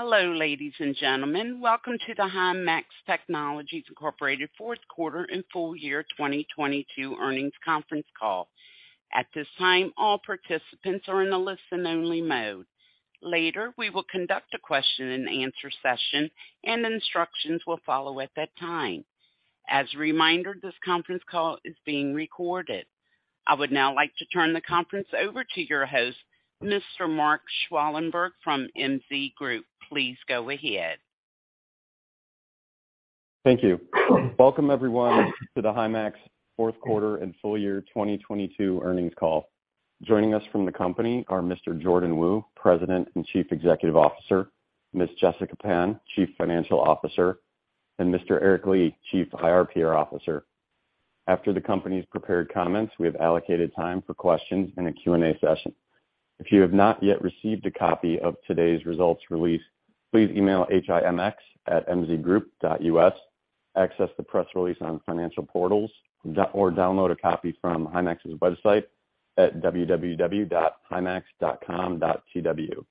Hello, ladies and gentlemen. Welcome to the Himax Technologies, Incorporated Fourth Quarter and Full Year 2022 Earnings Conference Call. At this time, all participants are in a listen only mode. Later, we will conduct a question-and-answer session and instructions will follow at that time. As a reminder, this conference call is being recorded. I would now like to turn the conference over to your host, Mr. Mark Schwalenberg from MZ Group. Please go ahead. Thank you. Welcome everyone to the Himax fourth quarter and full year 2022 earnings call. Joining us from the company are Mr. Jordan Wu, President and Chief Executive Officer, Ms. Jessica Pan, Chief Financial Officer, and Mr. Eric Li, Chief IR/PR Officer. After the company's prepared comments, we have allocated time for questions in a Q&A session. If you have not yet received a copy of today's results release, please email HIMX@mzgroup.us, access the press release on financial portals, or download a copy from Himax's website at www.himax.com.tw.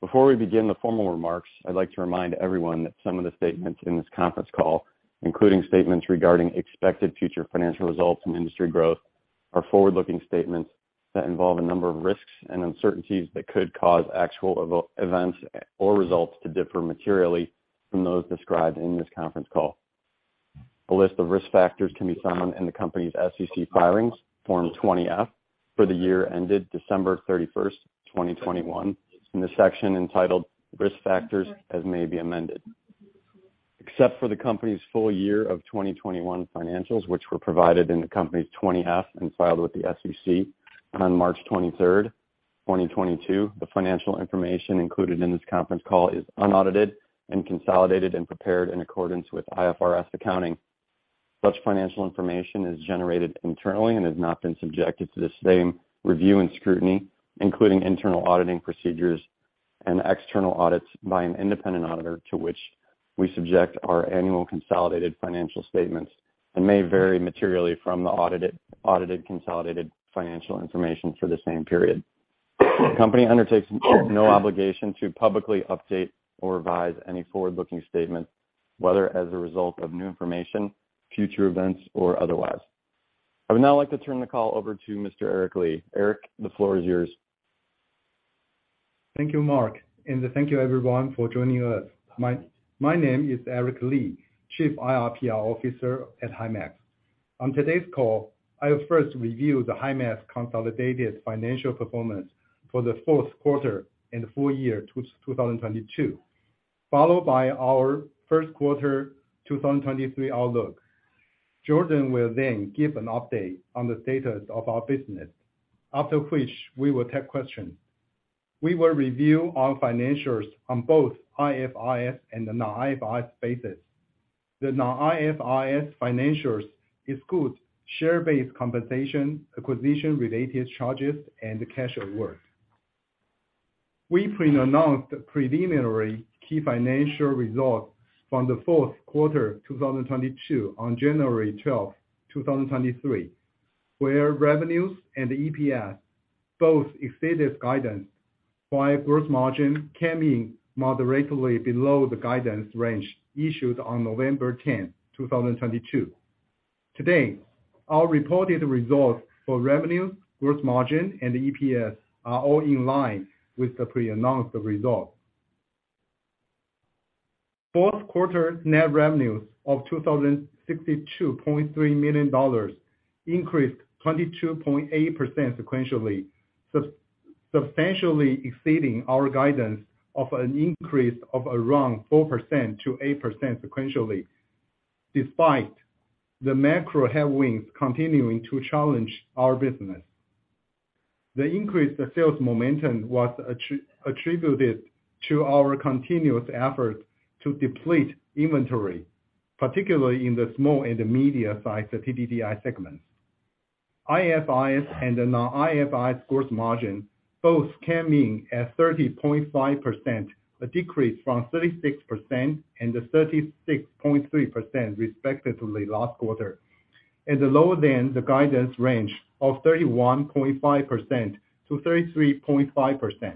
Before we begin the formal remarks, I'd like to remind everyone that some of the statements in this conference call, including statements regarding expected future financial results and industry growth, are forward-looking statements that involve a number of risks and uncertainties that could cause actual events or results to differ materially from those described in this conference call. A list of risk factors can be found in the company's SEC filings, Form 20-F, for the year ended December 31st, 2021 in the section entitled Risk Factors, as may be amended. Except for the company's full year of 2021 financials, which were provided in the company's 20-F and filed with the SEC on March 23rd, 2022, the financial information included in this conference call is unaudited and consolidated and prepared in accordance with IFRS accounting. Such financial information is generated internally and has not been subjected to the same review and scrutiny, including internal auditing procedures and external audits by an independent auditor to which we subject our annual consolidated financial statements and may vary materially from the audited consolidated financial information for the same period. The company undertakes no obligation to publicly update or revise any forward-looking statement, whether as a result of new information, future events, or otherwise. I would now like to turn the call over to Mr. Eric Li. Eric, the floor is yours. Thank you, Mark, and thank you everyone for joining us. My name is Eric Li, Chief IR/PR Officer at Himax. On today's call, I will first review the Himax consolidated financial performance for the fourth quarter and full year 2022, followed by our first quarter 2023 outlook. Jordan will then give an update on the status of our business, after which we will take questions. We will review our financials on both IFRS and the non-IFRS basis. The non-IFRS financials excludes share-based compensation, acquisition-related charges, and the cash award. We pre-announced preliminary key financial results from the fourth quarter 2022 on January 12th, 2023, where revenues and EPS both exceeded guidance, while gross margin came in moderately below the guidance range issued on November 10th, 2022. Today, our reported results for revenue, gross margin, and EPS are all in line with the pre-announced results. Fourth quarter net revenues of $2,062.3 million increased 22.8% sequentially, substantially exceeding our guidance of an increase of around 4%-8% sequentially, despite the macro headwinds continuing to challenge our business. The increased sales momentum was attributed to our continuous effort to deplete inventory, particularly in the small and intermediate sized TDDI segments. IFRS and the non-IFRS gross margin both came in at 30.5%, a decrease from 36% and 36.3% respectively last quarter, and lower than the guidance range of 31.5%-33.5%.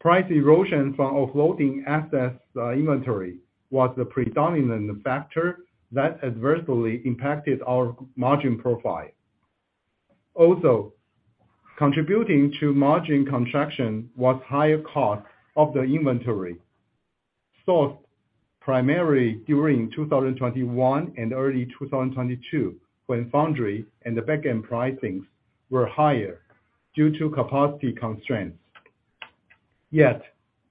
Price erosion from offloading excess inventory was the predominant factor that adversely impacted our margin profile. Contributing to margin contraction was higher cost of the inventory, sourced primarily during 2021 and early 2022, when foundry and the back-end pricings were higher due to capacity constraints.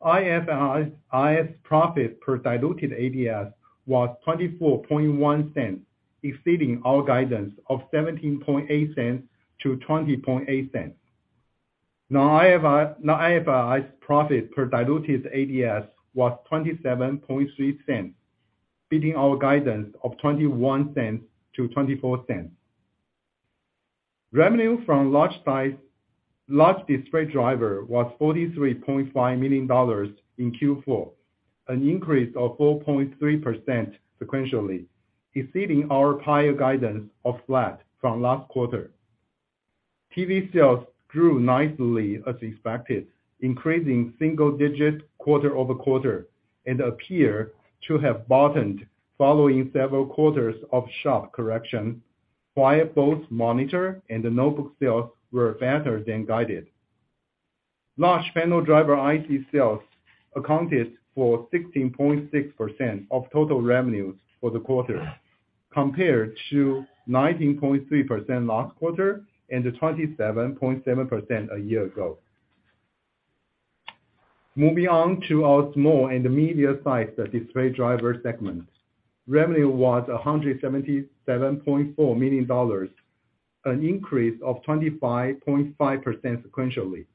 IFRS profit per diluted ADS was $0.241, exceeding our guidance of $0.178-$0.208. Non-IFRS profit per diluted ADS was $0.273, beating our guidance of $0.21-$0.24. Revenue from large display driver was $43.5 million in Q4, an increase of 4.3% sequentially, exceeding our prior guidance of flat from last quarter. TV sales grew nicely as expected, increasing single-digit quarter-over-quarter and appear to have bottomed following several quarters of sharp correction, while both monitor and notebook sales were better than guided. Large panel driver IC sales accounted for 16.6% of total revenues for the quarter, compared to 19.3% last quarter and 27.7% a year ago. Moving on to our small and medium-sized display driver segment. Revenue was $177.4 million, an increase of 25.5% sequentially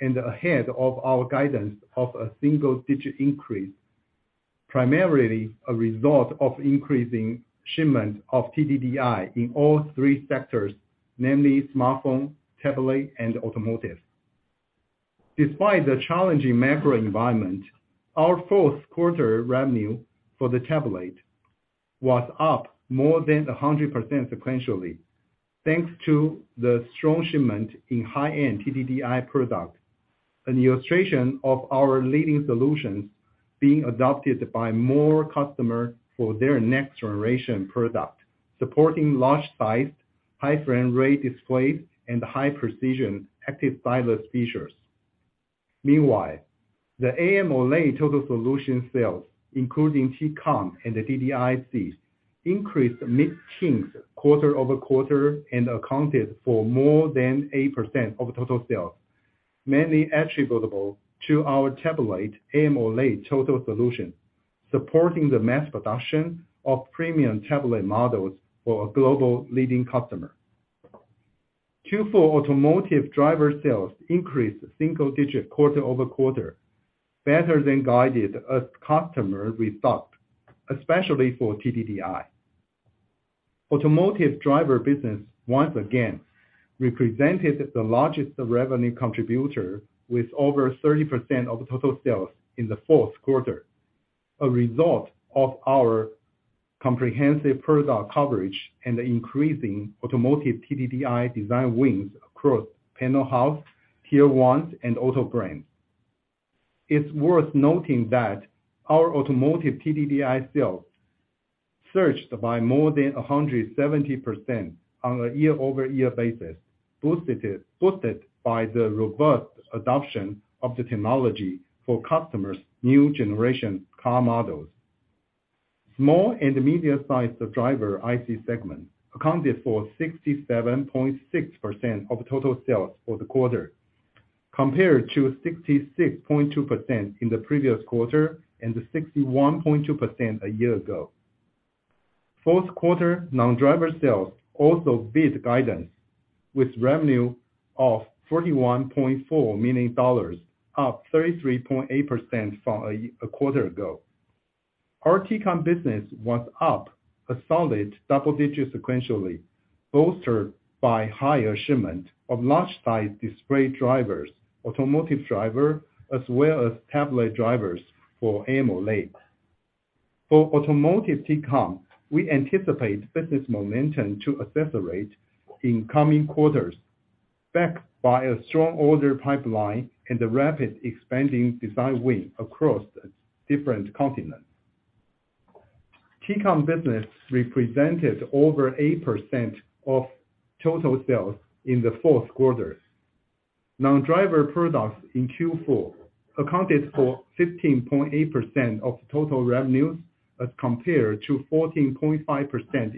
and ahead of our guidance of a single-digit increase, primarily a result of increasing shipments of TDDI in all three sectors, namely smartphone, tablet, and automotive. Despite the challenging macro environment, our fourth quarter revenue for the tablet was up more than 100% sequentially, thanks to the strong shipment in high-end TDDI product, an illustration of our leading solutions being adopted by more customers for their next-generation product, supporting large-sized, high frame rate displays and high-precision active stylus features. Meanwhile, the AMOLED total solution sales, including TCON and the DDIC, increased mid-teens quarter-over-quarter and accounted for more than 8% of total sales, mainly attributable to our tablet AMOLED total solution, supporting the mass production of premium tablet models for a global leading customer. Q4 automotive driver sales increased single digit quarter-over-quarter, better than guided as customer restocked, especially for TDDI. Automotive driver business once again represented the largest revenue contributor with over 30% of total sales in the fourth quarter, a result of our comprehensive product coverage and increasing automotive TDDI design wins across panel house, Tier 1s, and auto brands. It's worth noting that our automotive TDDI sales surged by more than 170% on a year-over-year basis, boosted by the robust adoption of the technology for customers' new generation car models. Small and medium-sized driver IC segment accounted for 67.6% of total sales for the quarter, compared to 66.2% in the previous quarter and 61.2% a year ago. Fourth quarter non-driver sales also beat guidance with revenue of $41.4 million, up 33.8% from a quarter ago. Our TCON business was up a solid double digits sequentially, bolstered by higher shipment of large-sized display drivers, automotive driver, as well as tablet drivers for AMOLED. For automotive TCON, we anticipate business momentum to accelerate in coming quarters, backed by a strong order pipeline and the rapid expanding design win across different continents. TCON business represented over 8% of total sales in the fourth quarter. Non-driver products in Q4 accounted for 15.8% of total revenues as compared to 14.5%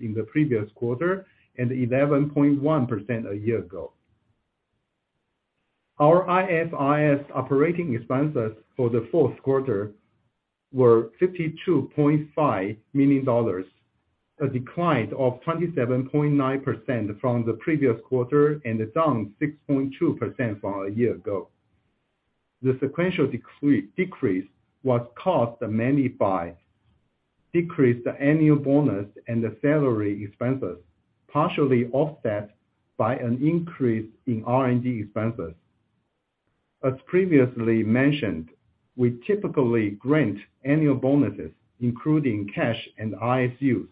in the previous quarter and 11.1% a year ago. Our IFRS operating expenses for the fourth quarter were $52.5 million, a decline of 27.9% from the previous quarter and down 6.2% from a year ago. The sequential decrease was caused mainly by decreased annual bonus and the salary expenses, partially offset by an increase in R&D expenses. As previously mentioned, we typically grant annual bonuses, including cash and ISU,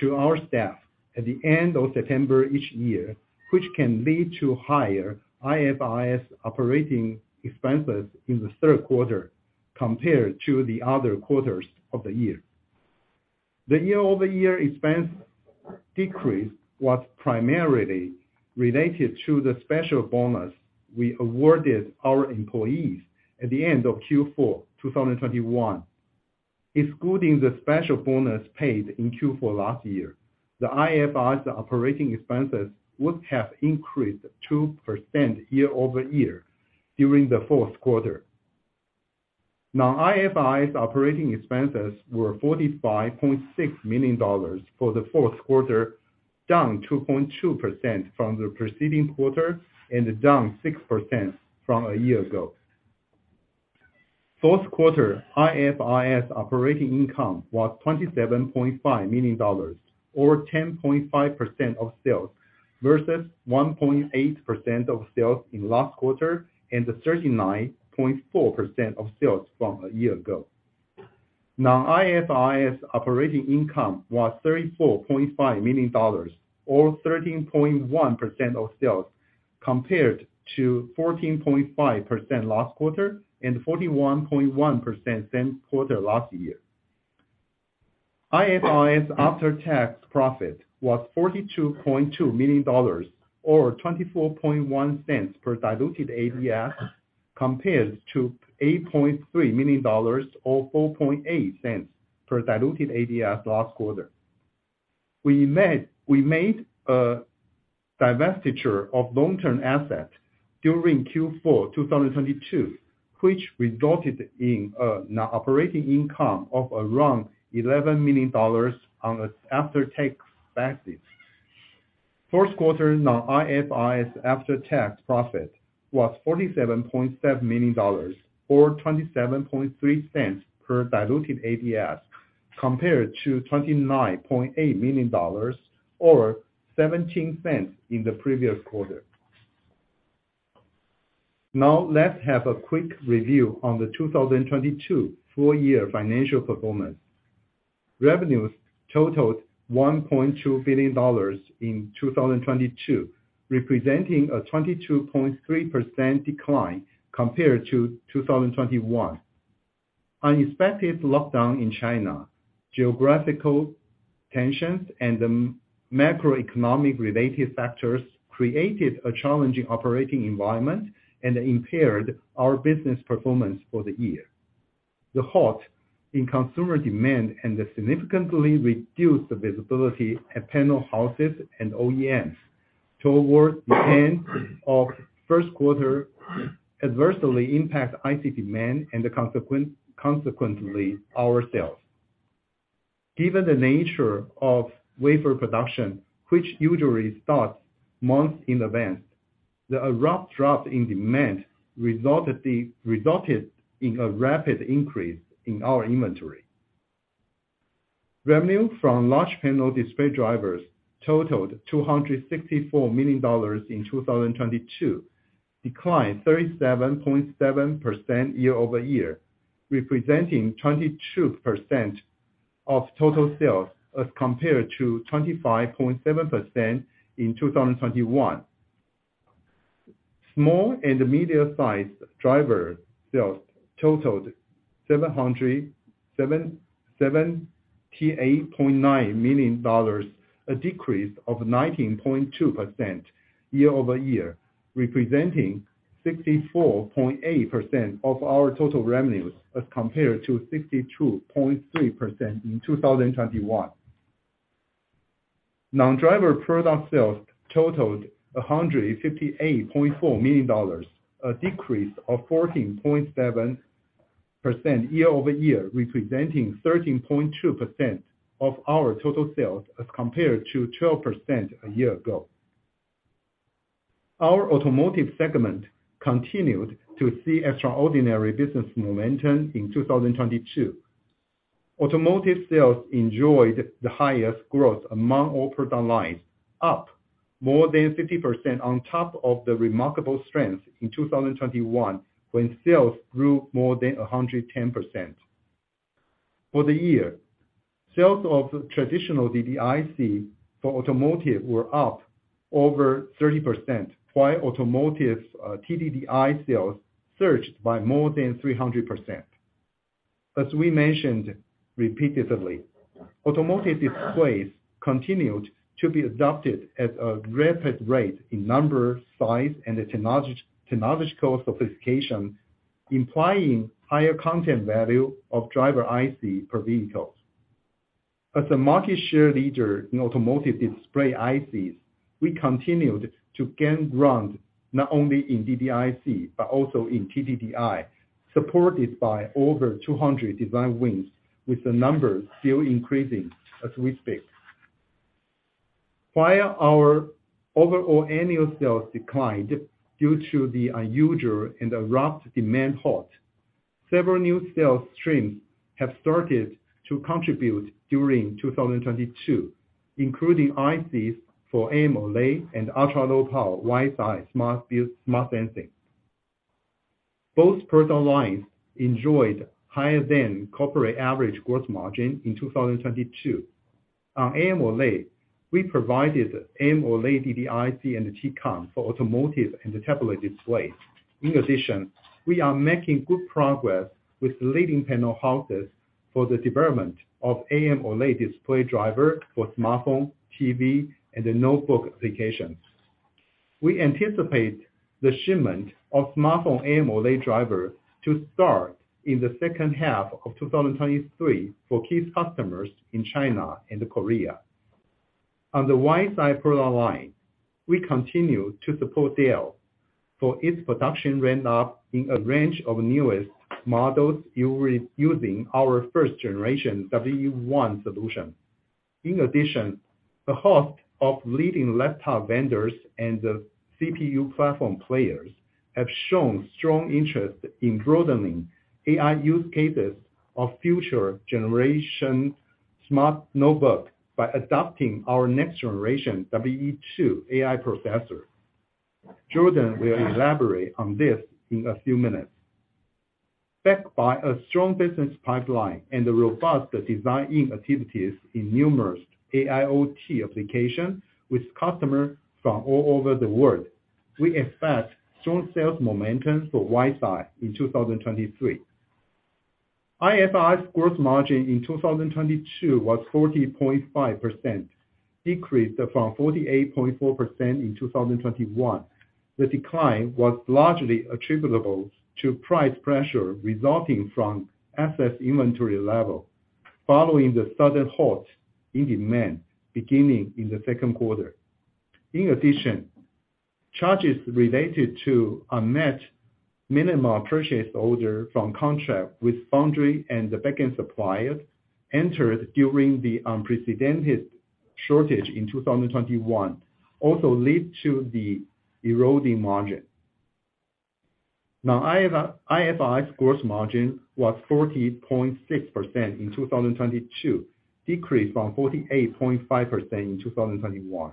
to our staff at the end of September each year, which can lead to higher IFRS operating expenses in the third quarter compared to the other quarters of the year. The year-over-year expense decrease was primarily related to the special bonus we awarded our employees at the end of Q4, 2021. Excluding the special bonus paid in Q4 last year, the IFRS operating expenses would have increased 2% year-over-year during the fourth quarter. IFRS operating expenses were $45.6 million for the fourth quarter, down 2.2% from the preceding quarter and down 6% from a year ago. Fourth quarter, IFRS operating income was $27.5 million or 10.5% of sales, versus 1.8% of sales in last quarter and 39.4% of sales from a year ago. Non-IFRS operating income was $34.5 million, or 13.1% of sales, compared to 14.5% last quarter and 41.1% same quarter last year. IFRS after-tax profit was $42.2 million or $0.241 per diluted ADS, compared to $8.3 million or $0.048 per diluted ADS last quarter. We made a divestiture of long-term assets during Q4 2022, which resulted in non-operating income of around $11 million on an after-tax basis. Fourth quarter non-IFRS after-tax profit was $47.7 million or $0.273 per diluted ADS, compared to $29.8 million or $0.17 in the previous quarter. Let's have a quick review on the 2022 full year financial performance. Revenues totaled $1.2 billion in 2022, representing a 22.3% decline compared to 2021. Unexpected lockdown in China, geographical tensions, and macroeconomic related factors created a challenging operating environment and impaired our business performance for the year. The halt in consumer demand and the significantly reduced visibility at panel houses and OEMs toward the end of first quarter adversely impacted IC demand and consequently, our sales. Given the nature of wafer production, which usually starts months in advance, the abrupt drop in demand resulted in a rapid increase in our inventory. Revenue from large panel display drivers totaled $264 million in 2022, declined 37.7% year-over-year, representing 22% of total sales as compared to 25.7% in 2021. Small and medium-sized driver sales totaled $778.9 million, a decrease of 19.2% year-over-year, representing 64.8% of our total revenues, as compared to 62.3% in 2021. Non-driver product sales totaled $158.4 million, a decrease of 14.7% year-over-year, representing 13.2% of our total sales, as compared to 12% a year ago. Our automotive segment continued to see extraordinary business momentum in 2022. Automotive sales enjoyed the highest growth among all product lines, up more than 50% on top of the remarkable strength in 2021, when sales grew more than 110%. For the year, sales of traditional DDIC for automotive were up over 30%, while automotive TDDI sales surged by more than 300%. As we mentioned repeatedly, automotive displays continued to be adopted at a rapid rate in number, size, and technological sophistication, implying higher content value of driver IC per vehicle. As a market share leader in automotive display ICs, we continued to gain ground not only in DDIC, but also in TDDI, supported by over 200 design wins, with the numbers still increasing as we speak. While our overall annual sales declined due to the unusual and abrupt demand halt, several new sales streams have started to contribute during 2022, including ICs for AMOLED and ultra-low power WiseEye smart sensing. Both product lines enjoyed higher than corporate average growth margin in 2022. On AMOLED, we provided AMOLED DDIC and TCON for automotive and tablet displays. In addition, we are making good progress with leading panel houses for the development of AMOLED display driver for smartphone, TV, and notebook applications. We anticipate the shipment of smartphone AMOLED driver to start in the second half of 2023 for key customers in China and Korea. On the WiseEye product line, we continue to support Dell for its production ramp up in a range of newest models using our first-generation WE1 solution. The halt of leading laptop vendors and the CPU platform players have shown strong interest in broadening AI use cases of future generation smart notebook by adopting our next-generation WE2 AI processor. Jordan will elaborate on this in a few minutes. Backed by a strong business pipeline and the robust design activities in numerous AIoT application with customers from all over the world, we expect strong sales momentum for WiseEye in 2023. IFRS gross margin in 2022 was 40.5%, decreased from 48.4% in 2021. The decline was largely attributable to price pressure resulting from excess inventory level following the sudden halt in demand beginning in the second quarter. In addition, charges related to unmet minimum purchase order from contract with foundry and the backend suppliers entered during the unprecedented shortage in 2021 also led to the eroding margin. IFRS gross margin was 40.6% in 2022, decreased from 48.5% in 2021.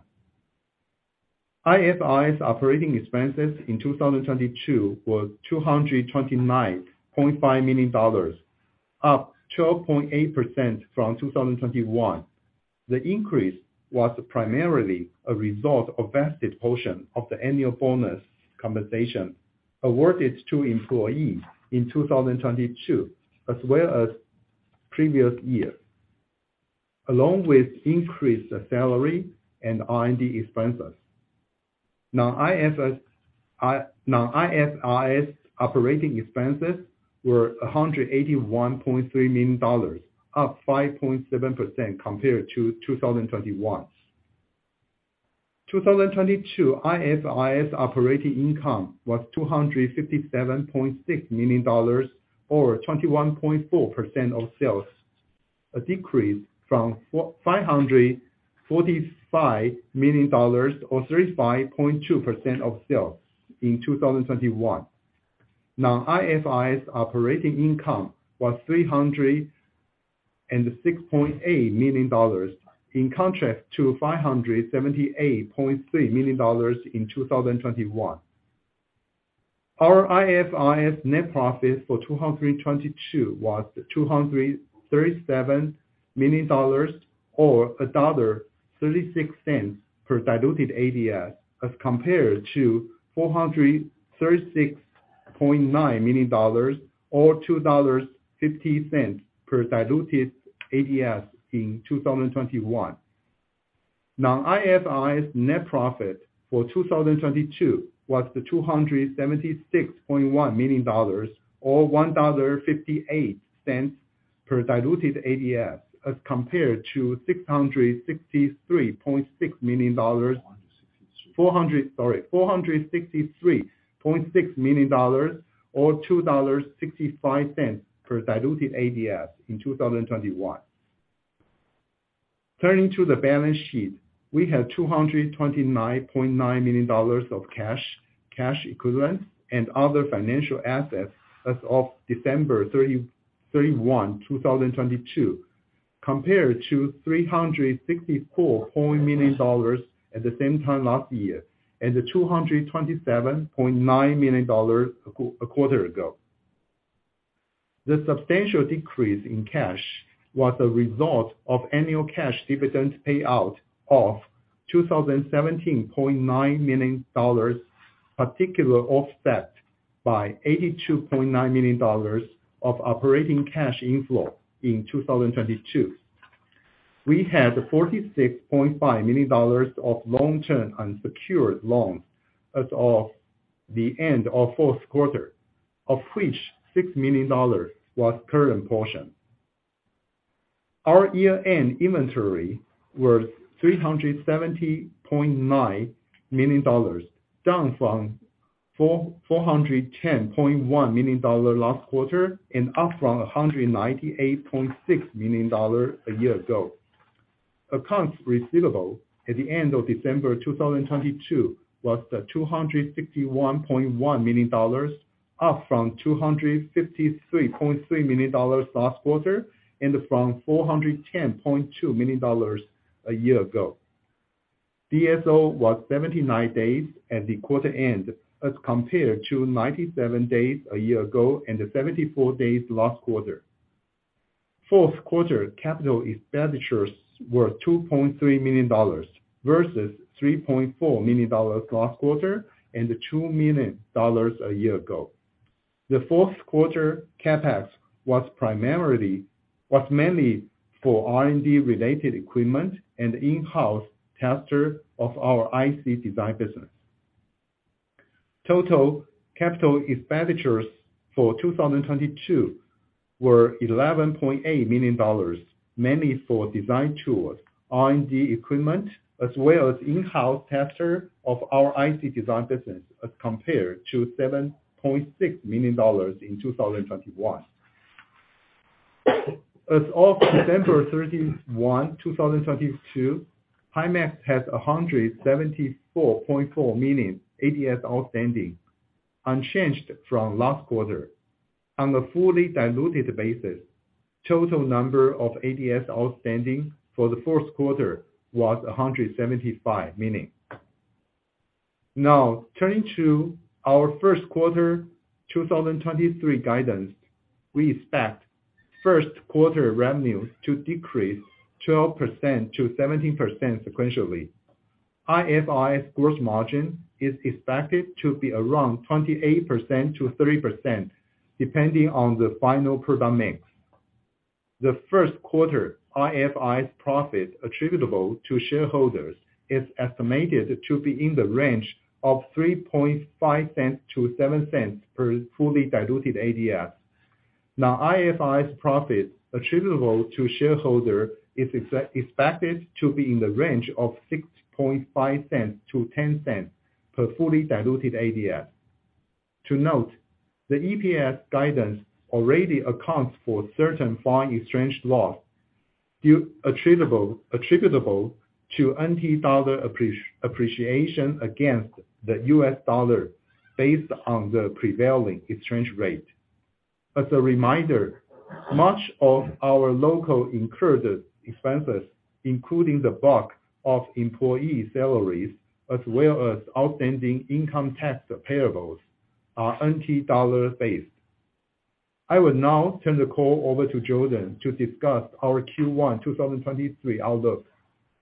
IFRS operating expenses in 2022 were $229.5 million, up 12.8% from 2021. The increase was primarily a result of vested portion of the annual bonus compensation awarded to employees in 2022, as well as previous year, along with increased salary and R&D expenses. IFRS operating expenses were $181.3 million, up 5.7% compared to 2021. 2022 IFRS operating income was $257.6 million or 21.4% of sales, a decrease from $545 million or 35.2% of sales in 2021. IFRS operating income was $306.8 million, in contrast to $578.3 million in 2021. Our IFRS net profit for 2022 was $237 million or $1.36 per diluted ADS, as compared to $436.9 million or $2.50 per diluted ADS in 2021. IFRS net profit for 2022 was the $276.1 million or $1.58 per diluted ADS, as compared to $663.6 million. $463. $400, sorry. $463.6 million or $2.65 per diluted ADS in 2021. Turning to the balance sheet, we have $229.9 million of cash equivalents and other financial assets as of December 31, 2022, compared to $364 million at the same time last year, and $227.9 million a quarter ago. The substantial decrease in cash was a result of annual cash dividend payout of [$2,017.9] million, particular offset by $82.9 million of operating cash inflow in 2022. We had $46.5 million of long-term unsecured loans as of the end of fourth quarter, of which $6 million was current portion. Our year-end inventory was $370.9 million, down from $410.1 million last quarter and up from $198.6 million a year-ago. Accounts receivable at the end of December 2022 was at $261.1 million, up from $253.3 million last quarter and from $410.2 million a year-ago. DSO was 79 days at the quarter end, as compared to 97 days a year-ago and 74 days last quarter. Fourth quarter capital expenditures were $2.3 million, versus $3.4 million last quarter and the $2 million a year-ago. The fourth quarter CapEx was mainly for R&D related equipment and in-house tester of our IC design business. Total capital expenditures for 2022 were $11.8 million, mainly for design tools, R&D equipment, as well as in-house tester of our IC design business, as compared to $7.6 million in 2021. As of December 31, 2022, Himax has 174.4 million ADS outstanding, unchanged from last quarter. On the fully diluted basis, total number of ADS outstanding for the fourth quarter was 175 million. Turning to our first quarter 2023 guidance, we expect first quarter revenues to decrease 12%-17% sequentially. IFRS gross margin is expected to be around 28%-30% depending on the final product mix. The first quarter IFRS profit attributable to shareholders is estimated to be in the range of $0.035-$0.07 per fully diluted ADS. IFRS profit attributable to shareholder is expected to be in the range of $0.065-$0.10 per fully diluted ADS. To note, the EPS guidance already accounts for certain foreign exchange loss due attributable to NT dollar appreciation against the US dollar based on the prevailing exchange rate. As a reminder, much of our local incurred expenses, including the bulk of employee salaries as well as outstanding income tax payables, are NT dollar-based. I will now turn the call over to Jordan to discuss our Q1 2023 outlook.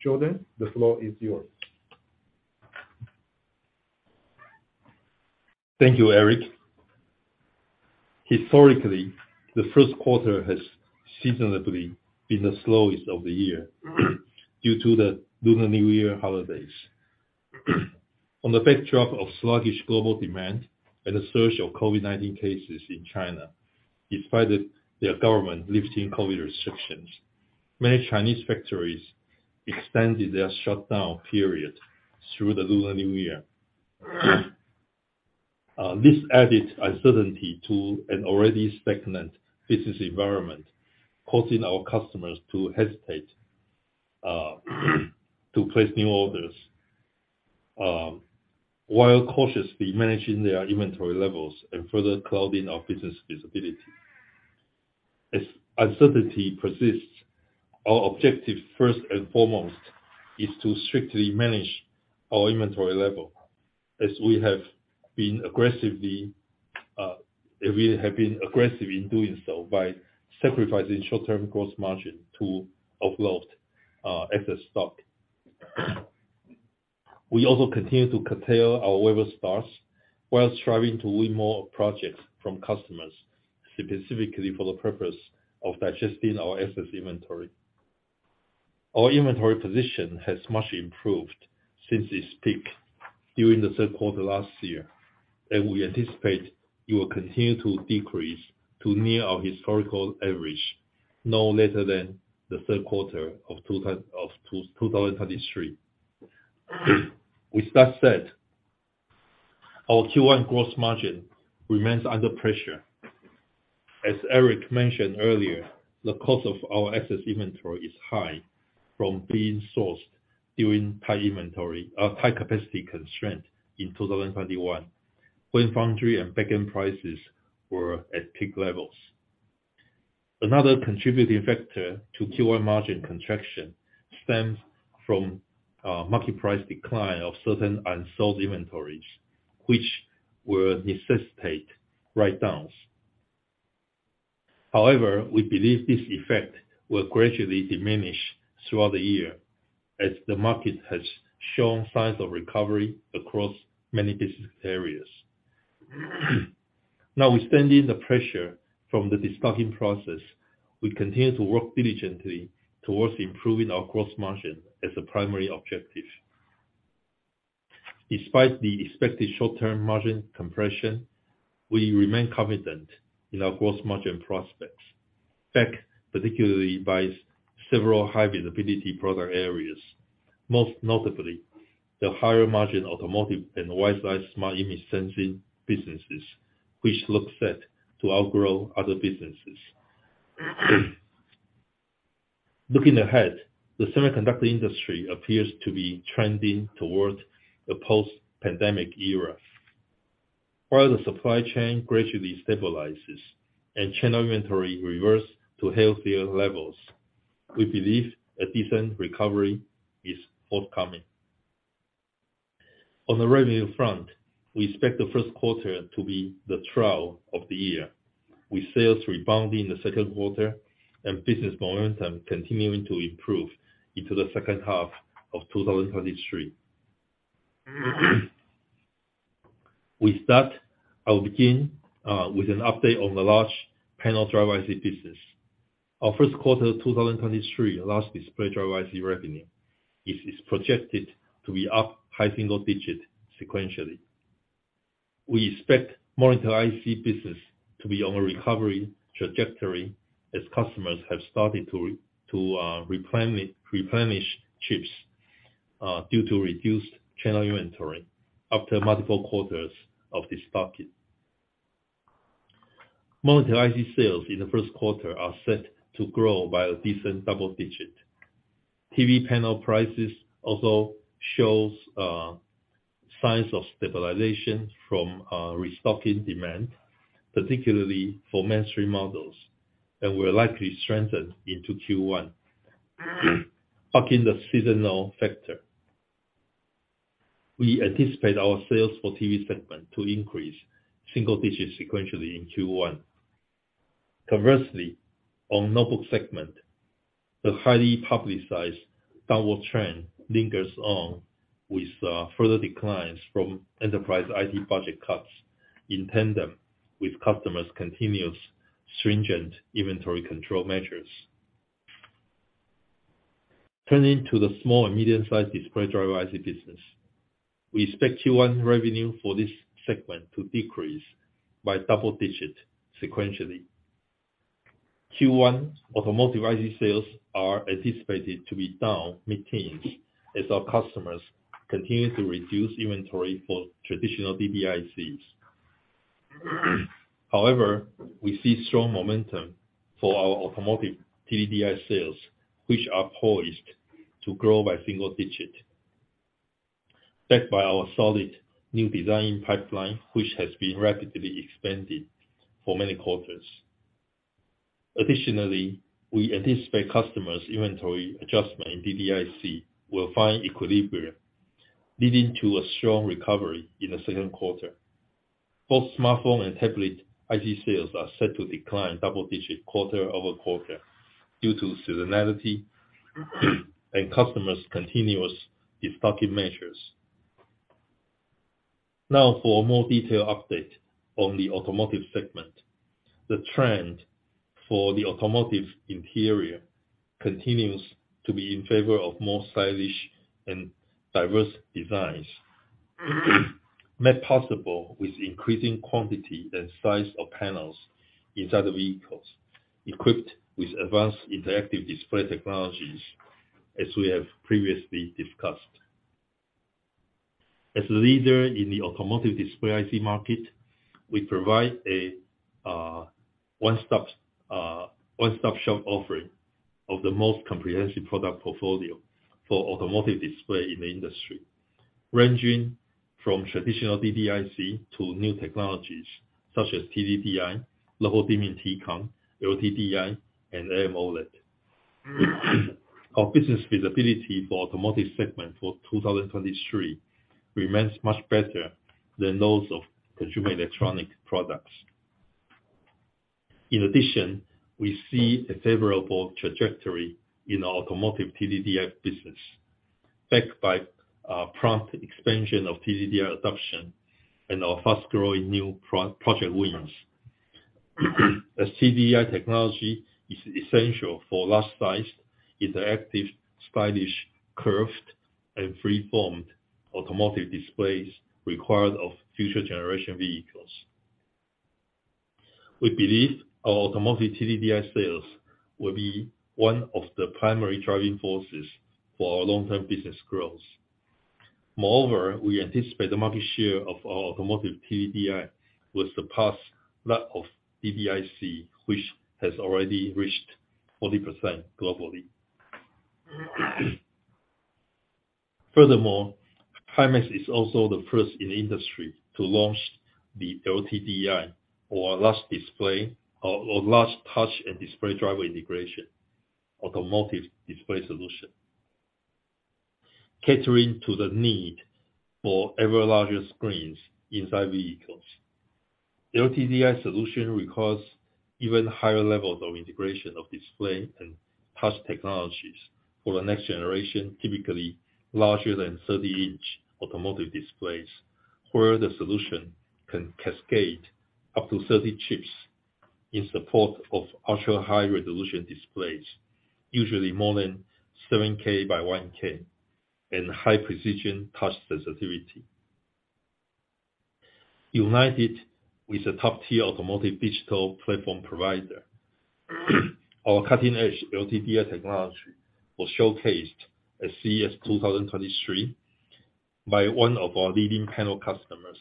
Jordan, the floor is yours. Thank you, Eric. Historically, the first quarter has seasonally been the slowest of the year due to the Lunar New Year holidays. On the backdrop of sluggish global demand and the surge of COVID-19 cases in China, despite the government lifting COVID restrictions, many Chinese factories extended their shutdown period through the Lunar New Year. This added uncertainty to an already stagnant business environment, causing our customers to hesitate, to place new orders, while cautiously managing their inventory levels and further clouding our business visibility. As uncertainty persists, our objective first and foremost is to strictly manage our inventory level as we have been aggressive in doing so by sacrificing short-term gross margin to offload, excess stock. We also continue to curtail our waiver starts while striving to win more projects from customers, specifically for the purpose of digesting our excess inventory. Our inventory position has much improved since its peak during the third quarter last year, and we anticipate it will continue to decrease to near our historical average, no later than the third quarter of 2023. With that said, our Q1 gross margin remains under pressure. As Eric mentioned earlier, the cost of our excess inventory is high from being sourced during high inventory, high capacity constraint in 2021, when foundry and back-end prices were at peak levels. Another contributing factor to Q1 margin contraction stems from market price decline of certain unsold inventories, which will necessitate write-downs. However, we believe this effect will gradually diminish throughout the year as the market has shown signs of recovery across many business areas. Notwithstanding the pressure from the destocking process, we continue to work diligently towards improving our gross margin as a primary objective. Despite the expected short-term margin compression, we remain confident in our gross margin prospects, backed particularly by several high visibility product areas, most notably the higher margin automotive and WiseEye smart image sensing businesses, which look set to outgrow other businesses. Looking ahead, the semiconductor industry appears to be trending towards a post-pandemic era. While the supply chain gradually stabilizes and channel inventory reverse to healthier levels, we believe a decent recovery is forthcoming. On the revenue front, we expect the first quarter to be the trough of the year, with sales rebounding in the second quarter and business momentum continuing to improve into the second half of 2023. With that, I'll begin with an update on the large panel driver IC business. Our first quarter 2023 large display driver IC revenue is projected to be up high single-digit sequentially. We expect monitor IC business to be on a recovery trajectory as customers have started to replenish chips due to reduced channel inventory after multiple quarters of destocking. Monitor IC sales in the first quarter are set to grow by a decent double-digit. TV panel prices also shows signs of stabilization from restocking demand, particularly for mainstream models that will likely strengthen into Q1. Backing the seasonal factor, we anticipate our sales for TV segment to increase single digits sequentially in Q1. Conversely, on notebook segment, the highly publicized downward trend lingers on with further declines from enterprise IT budget cuts in tandem with customers continuous stringent inventory control measures. Turning to the small and medium-sized display driver IC business, we expect Q1 revenue for this segment to decrease by double digits sequentially. Q1 automotive IC sales are anticipated to be down mid-teens as our customers continue to reduce inventory for traditional DDICs. We see strong momentum for our automotive TDDI sales, which are poised to grow by single digits, backed by our solid new design pipeline, which has been rapidly expanded for many quarters. We anticipate customers' inventory adjustment in DDIC will find equilibrium, leading to a strong recovery in the second quarter. Both smartphone and tablet IC sales are set to decline double digits quarter-over-quarter due to seasonality and customers' continuous destocking measures. For a more detailed update on the automotive segment. The trend for the automotive interior continues to be in favor of more stylish and diverse designs, made possible with increasing quantity and size of panels inside the vehicles equipped with advanced interactive display technologies as we have previously discussed. As a leader in the automotive display IC market, we provide a one-stop shop offering of the most comprehensive product portfolio for automotive display in the industry, ranging from traditional DDIC to new technologies such as TDDI, local dimming TCON, LTDI, and AMOLED. Our business visibility for automotive segment for 2023 remains much better than those of consumer electronic products. We see a favorable trajectory in our automotive TDDI business, backed by a prompt expansion of TDDI adoption and our fast-growing new pro-project wins. As TDDI technology is essential for large-sized, interactive, stylish, curved, and freeform automotive displays required of future generation vehicles. We believe our automotive TDDI sales will be one of the primary driving forces for our long-term business growth. Moreover, we anticipate the market share of our automotive TDDI will surpass that of DDIC, which has already reached 40% globally. Furthermore, Himax is also the first in the industry to launch the LTDI or large touch and display driver integration automotive display solution, catering to the need for ever larger screens inside vehicles. LTDI solution requires even higher levels of integration of display and touch technologies for the next generation, typically larger than 30-inch automotive displays, where the solution can cascade up to 30 chips in support of ultra-high resolution displays, usually more than 7Kx1K in high precision touch sensitivity. United with a top-tier automotive digital platform provider, our cutting-edge LTDI technology was showcased at CES 2023 by one of our leading panel customers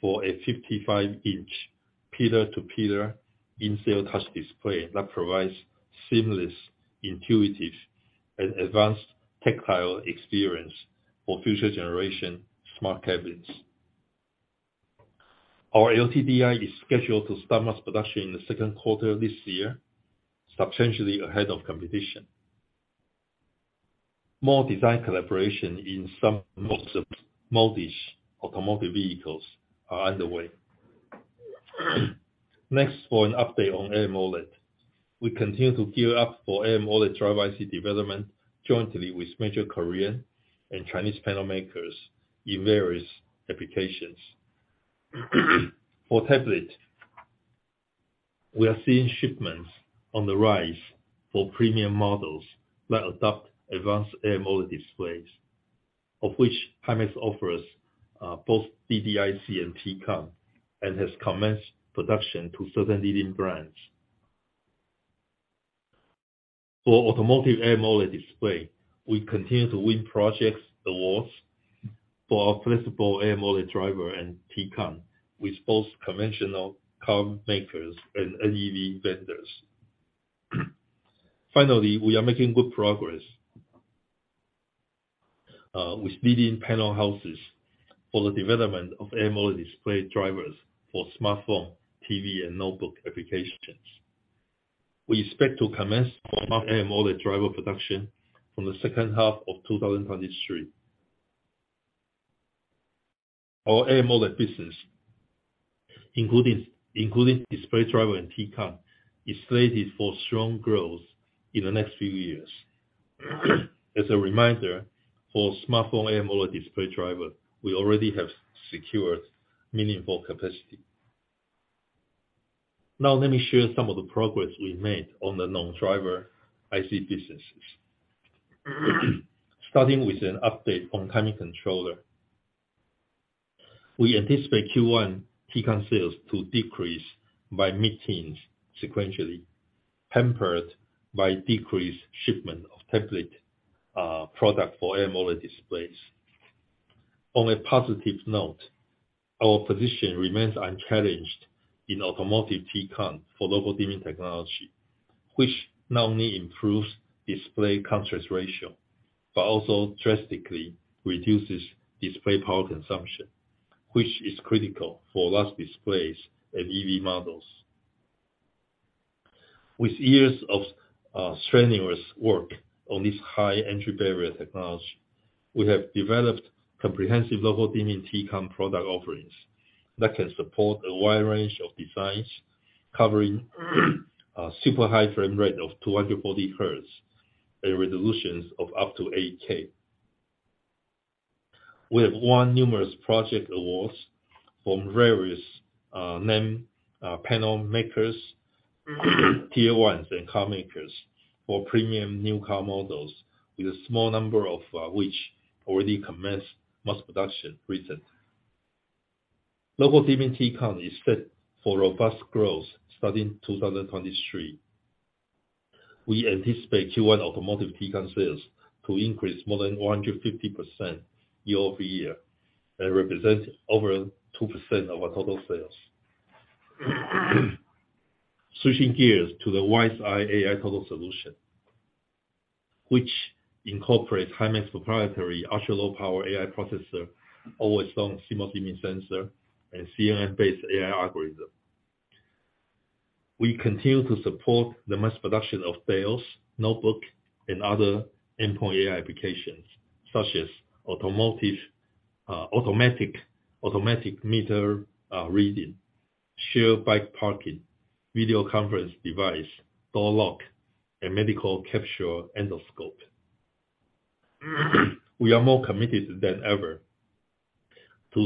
for a 55-inch pillar-to-pillar in-sale touch display that provides seamless, intuitive, and advanced tactile experience for future generation smart cabins. Our LTDI is scheduled to start mass production in the second quarter of this year, substantially ahead of competition. More design collaborations for some modish vehicles are underway. Next, for an update on AMOLED. We continue to gear up for AMOLED driver IC development jointly with major Korean and Chinese panel makers in various applications. For tablet, we are seeing shipments on the rise for premium models that adopt advanced AMOLED displays, of which Himax offers both DDIC and TCON, and has commenced production to certain leading brands. For automotive AMOLED display, we continue to win projects awards. For our flexible AMOLED driver and TCON with both conventional car makers and NEV vendors. Finally, we are making good progress with leading panel houses for the development of AMOLED display drivers for smartphone, TV, and notebook applications. We expect to commence our smart AMOLED driver production from the second half of 2023. Our AMOLED business, including display driver and TCON, is slated for strong growth in the next few years. As a reminder, for smartphone AMOLED display driver, we already have secured meaningful capacity. Let me share some of the progress we made on the non-driver IC businesses. Starting with an update on timing controller. We anticipate Q1 TCON sales to decrease by mid-teens sequentially, hampered by decreased shipment of tablet product for AMOLED displays. On a positive note, our position remains unchallenged in automotive TCON for local dimming technology, which not only improves display contrast ratio, but also drastically reduces display power consumption, which is critical for large displays and EV models. With years of strenuous work on this high entry barrier technology, we have developed comprehensive local dimming TCON product offerings that can support a wide range of designs covering super high frame rate of 240 Hz and resolutions of up to 8K. We have won numerous project awards from various name panel makers, Tier 1s, and car makers for premium new car models with a small number of which already commenced mass production recently. Local dimming TCON is fit for robust growth starting 2023. We anticipate Q1 automotive TCON sales to increase more than 100% year-over-year and represent over 2% of our total sales. Switching gears to the WiseEye AI total solution, which incorporates Himax proprietary ultralow power AI processor, always on CMOS image sensor, and CNN-based AI algorithm. We continue to support the mass production of tablets, notebook, and other endpoint AI applications such as automotive, automatic meter reading, shared bike parking, video conference device, door lock, and medical capture endoscope. We are more committed than ever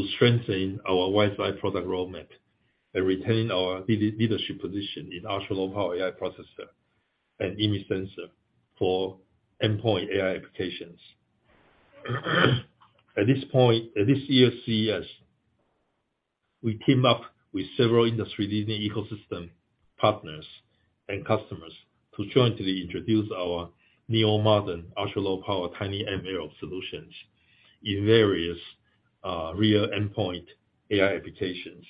to strengthen our WiseEye product roadmap and retain our leadership position in ultra-low power AI processor and image sensor for endpoint AI applications. At this year's CES, we came up with several industry-leading ecosystem partners and customers to jointly introduce our neo-modern ultra-low power TinyML solutions in various real endpoint AI applications,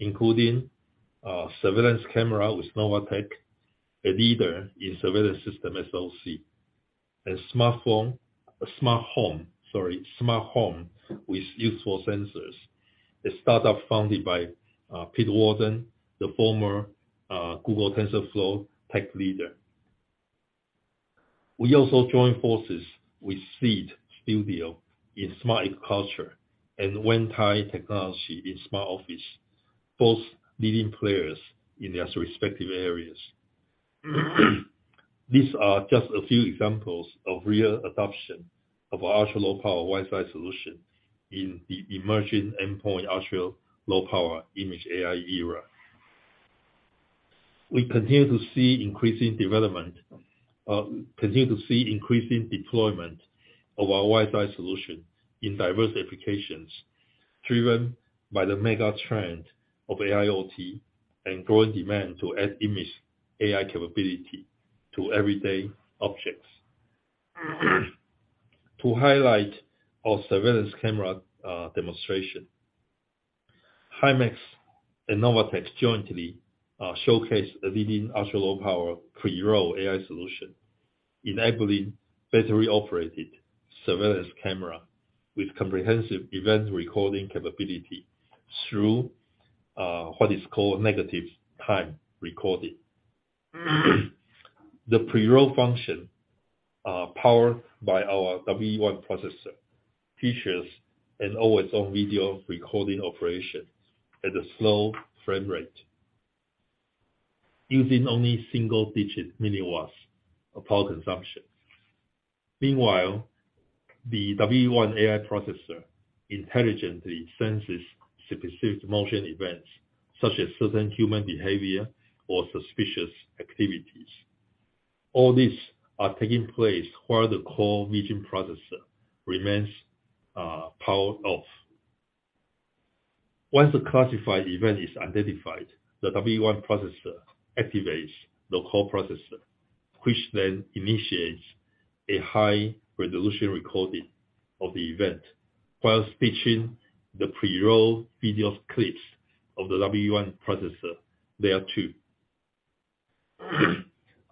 including surveillance camera with Novatek, a leader in surveillance system SOC, a smart home with Useful Sensors, a startup founded by Pete Warden, the former Google TensorFlow tech leader. We also joined forces with Seeed Studio in smart agriculture and Wentai Technology in smart office, both leading players in their respective areas. These are just a few examples of real adoption of our ultra-low power WiseEye solution in the emerging endpoint ultra-low power image AI era. We continue to see increasing development, continue to see increasing deployment of our WiseEye solution in diverse applications, driven by the mega trend of AIoT and growing demand to add image AI capability to everyday objects. To highlight our surveillance camera demonstration, Himax and Novatek jointly showcase a leading ultra-low power pre-roll AI solution, enabling battery operated surveillance camera with comprehensive event recording capability through what is called negative time recording. The pre-roll function, powered by our WE1 processor, features an always-on video recording operation at a slow frame rate using only single-digit milliwatts of power consumption. Meanwhile, the WE1 AI processor intelligently senses specific motion events, such as certain human behavior or suspicious activities. All these are taking place while the core vision processor remains power off. Once the classified event is identified, the WE1 processor activates the core processor, which then initiates a high-resolution recording of the event while stitching the pre-roll video clips of the WE1 processor thereto.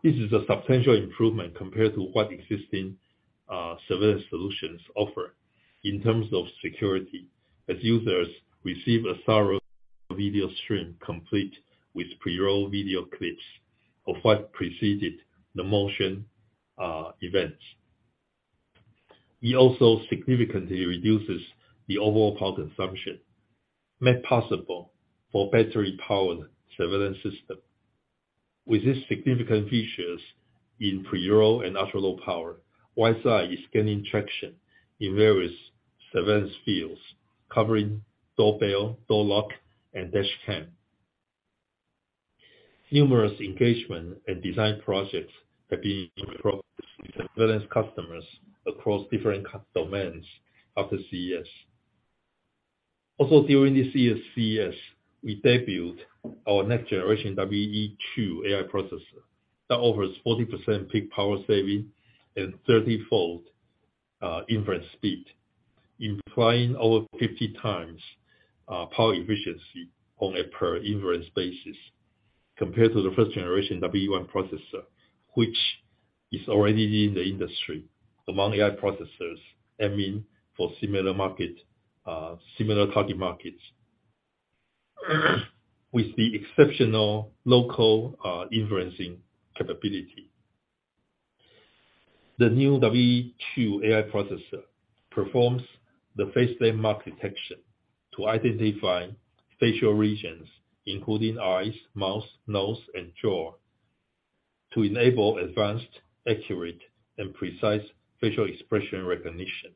This is a substantial improvement compared to what existing surveillance solutions offer in terms of security, as users receive a thorough video stream complete with pre-roll video clips of what preceded the motion events. It also significantly reduces the overall power consumption made possible for battery power surveillance system. With these significant features in pre-roll and ultra-low power, WiseEye is gaining traction in various surveillance fields, covering doorbell, door lock, and dash cam. Numerous engagement and design projects have been in progress with surveillance customers across different domains after CES. Also during the CES, we debuted our next generation WE2 AI processor that offers 40% peak power saving and 30-fold inference speed, implying over 50 times power efficiency on a per inference basis compared to the first generation WE1 processor, which is already leading the industry among AI processors aiming for similar market, similar target markets. With the exceptional local inferencing capability, the new WE2 AI processor performs the face landmark detection to identify facial regions, including eyes, mouth, nose, and jaw, to enable advanced, accurate, and precise facial expression recognition,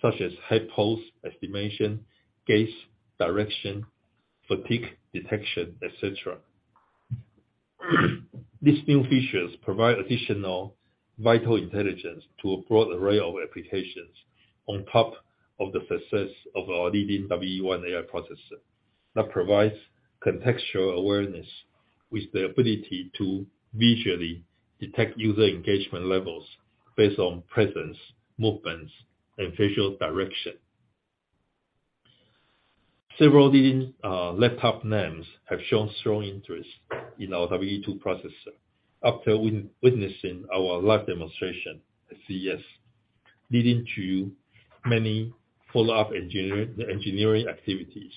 such as head pose estimation, gaze direction, fatigue detection, et cetera. These new features provide additional vital intelligence to a broad array of applications on top of the success of our leading WE1 AI processor that provides contextual awareness with the ability to visually detect user engagement levels based on presence, movements, and facial direction. Several leading laptop names have shown strong interest in our WE2 processor after witnessing our live demonstration at CES, leading to many follow-up engineering activities.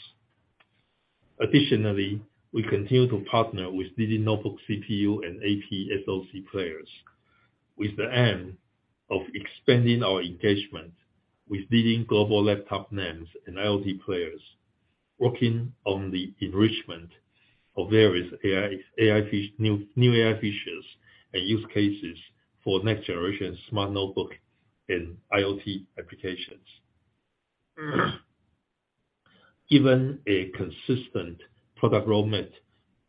We continue to partner with leading notebook CPU and AP SoC players with the aim of expanding our engagement with leading global laptop names and IoT players working on the enrichment of various AI new AI features and use cases for next generation smart notebook and IoT applications. Given a consistent product roadmap,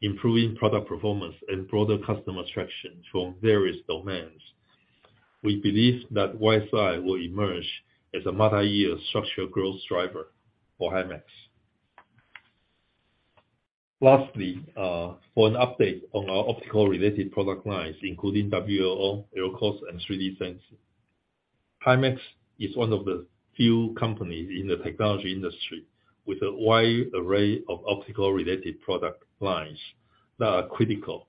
improving product performance, and broader customer traction from various domains, we believe that WiseEye will emerge as a multi-year structural growth driver for Himax. Lastly, for an update on our optical-related product lines, including WLO, LCoS, and 3D Sensing. Himax is one of the few companies in the technology industry with a wide array of optical-related product lines that are critical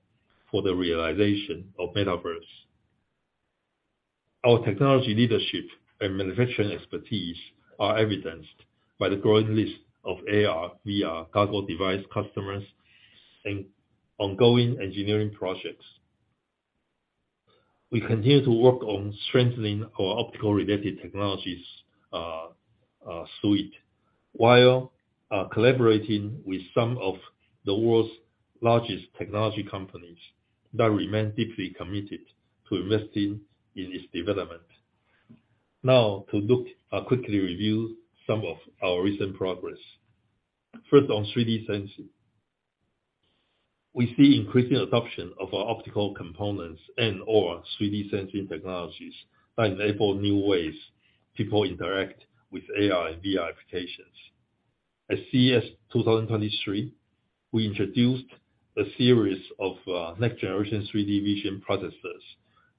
for the realization of metaverse. Our technology leadership and manufacturing expertise are evidenced by the growing list of AR/VR goggle device customers and ongoing engineering projects. We continue to work on strengthening our optical-related technologies suite, while collaborating with some of the world's largest technology companies that remain deeply committed to investing in its development. To look or quickly review some of our recent progress. First, on 3D Sensing. We see increasing adoption of our optical components and/or 3D Sensing technologies that enable new ways people interact with AR and VR applications. At CES 2023, we introduced a series of next-generation 3D vision processors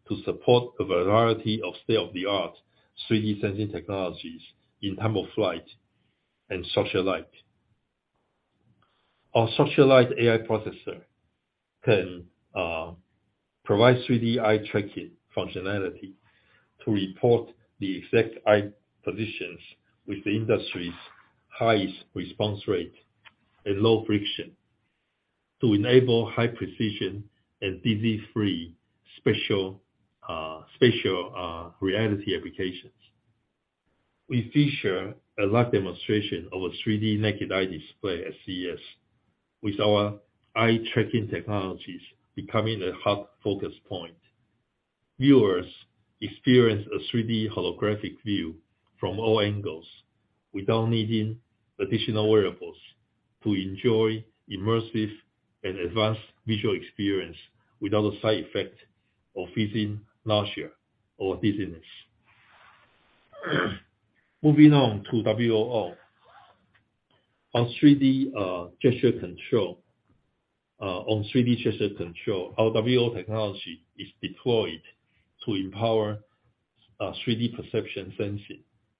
to support a variety of state-of-the-art 3D Sensing technologies in Time-of-Flight and structured light. Our structured light AI processor can provide 3D eye tracking functionality to report the exact eye positions with the industry's highest response rate and low friction to enable high precision and dizzy-free spatial reality applications. We feature a live demonstration of a 3D naked eye display at CES with our eye tracking technologies becoming the hot focus point. Viewers experience a 3D holographic view from all angles without needing additional wearables to enjoy immersive and advanced visual experience without the side effect of feeling nausea or dizziness. Moving on to WLO. On 3D gesture control, our WLO technology is deployed to empower 3D perception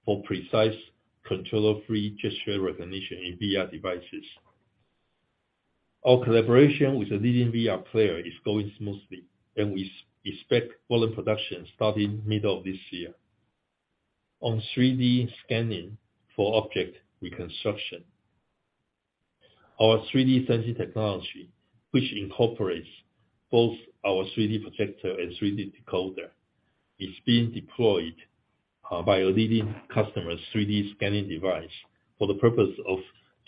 sensing for precise controller-free gesture recognition in VR devices. Our collaboration with a leading VR player is going smoothly, and we expect volume production starting middle of this year. On 3D scanning for object reconstruction, our 3D sensor technology, which incorporates both our 3D projector and 3D decoder, is being deployed by a leading customer's 3D scanning device for the purpose of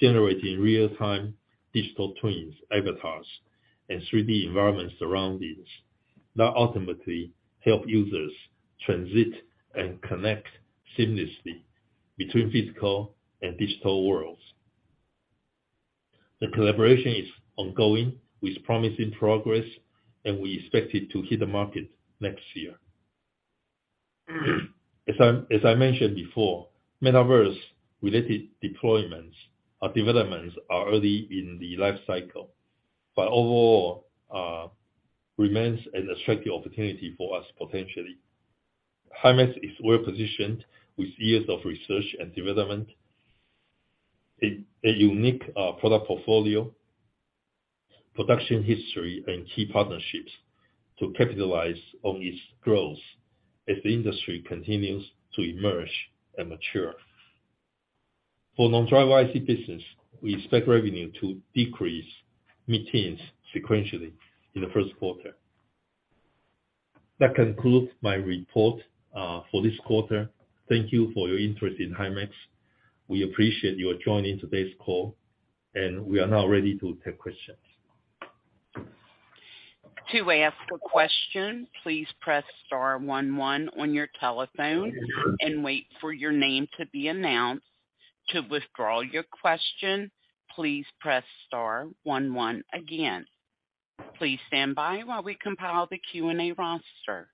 generating real-time digital twins, avatars, and 3D environment surroundings that ultimately help users transit and connect seamlessly between physical and digital worlds. The collaboration is ongoing, with promising progress, and we expect it to hit the market next year. As I mentioned before, Metaverse-related deployments or developments are early in the life cycle, but overall remains an attractive opportunity for us potentially. Himax is well positioned with years of research and development, a unique product portfolio, production history, and key partnerships to capitalize on its growth as the industry continues to emerge and mature. For non-driver IC business, we expect revenue to decrease mid-teens sequentially in the first quarter. That concludes my report for this quarter. Thank you for your interest in Himax. We appreciate your joining today's call. We are now ready to take questions. To ask a question, please press star one one on your telephone and wait for your name to be announced. To withdraw your question, please press star one one again. Please stand by while we compile the Q&A roster.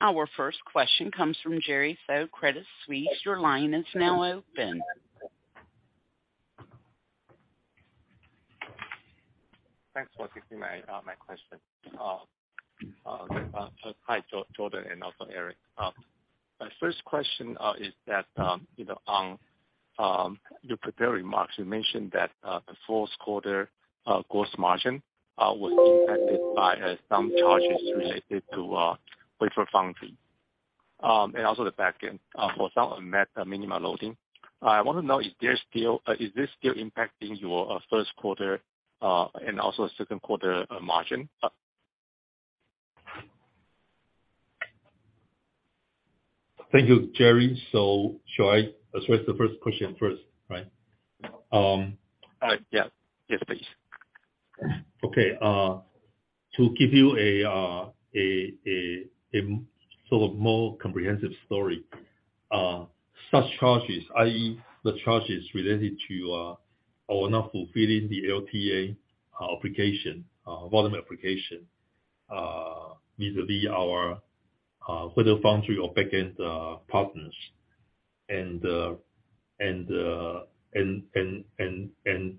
Our first question comes from Jerry Su, Credit Suisse, your line is now open. Thanks for taking my question. Hi, Jordan and also Eric. My first question is that, you know, on your prepared remarks, you mentioned that the fourth quarter gross margin was impacted by some charges related to wafer foundry and also the back end for some met minimum loading. I want to know is this still impacting your first quarter and also second quarter margin? Thank you, Jerry. Should I address the first question first, right? Yeah. Yes, please. Okay. To give you a sort of more comprehensive story, such charges, i.e. the charges related to our not fulfilling the LTA application volume application vis-à-vis our wafer foundry or back end partners, and the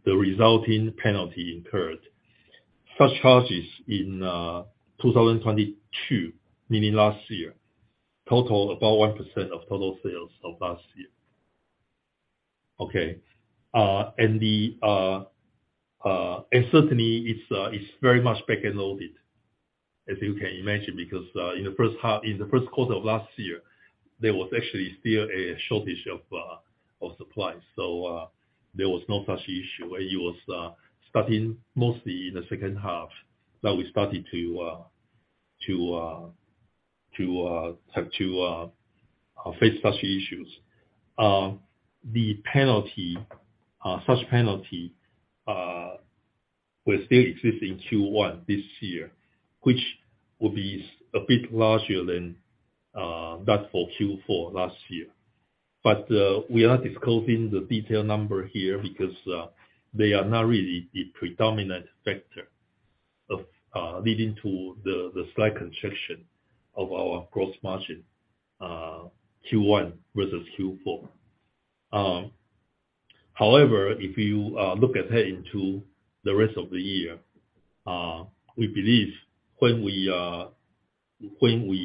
resulting penalty incurred. Such charges in 2022, meaning last year, total about 1% of total sales of last year. Okay. Certainly it's very much back-ended loaded, as you can imagine, because in the first half, in the first quarter of last year, there was actually still a shortage of supplies. There was no such issue. It was starting mostly in the second half that we started to have to face such issues. The penalty, such penalty, will still exist in Q1 this year, which will be a bit larger than that for Q4 last year. We are not disclosing the detailed number here because they are not really the predominant factor of leading to the slight constriction of our gross margin, Q1 versus Q4. However, if you look ahead into the rest of the year, we believe when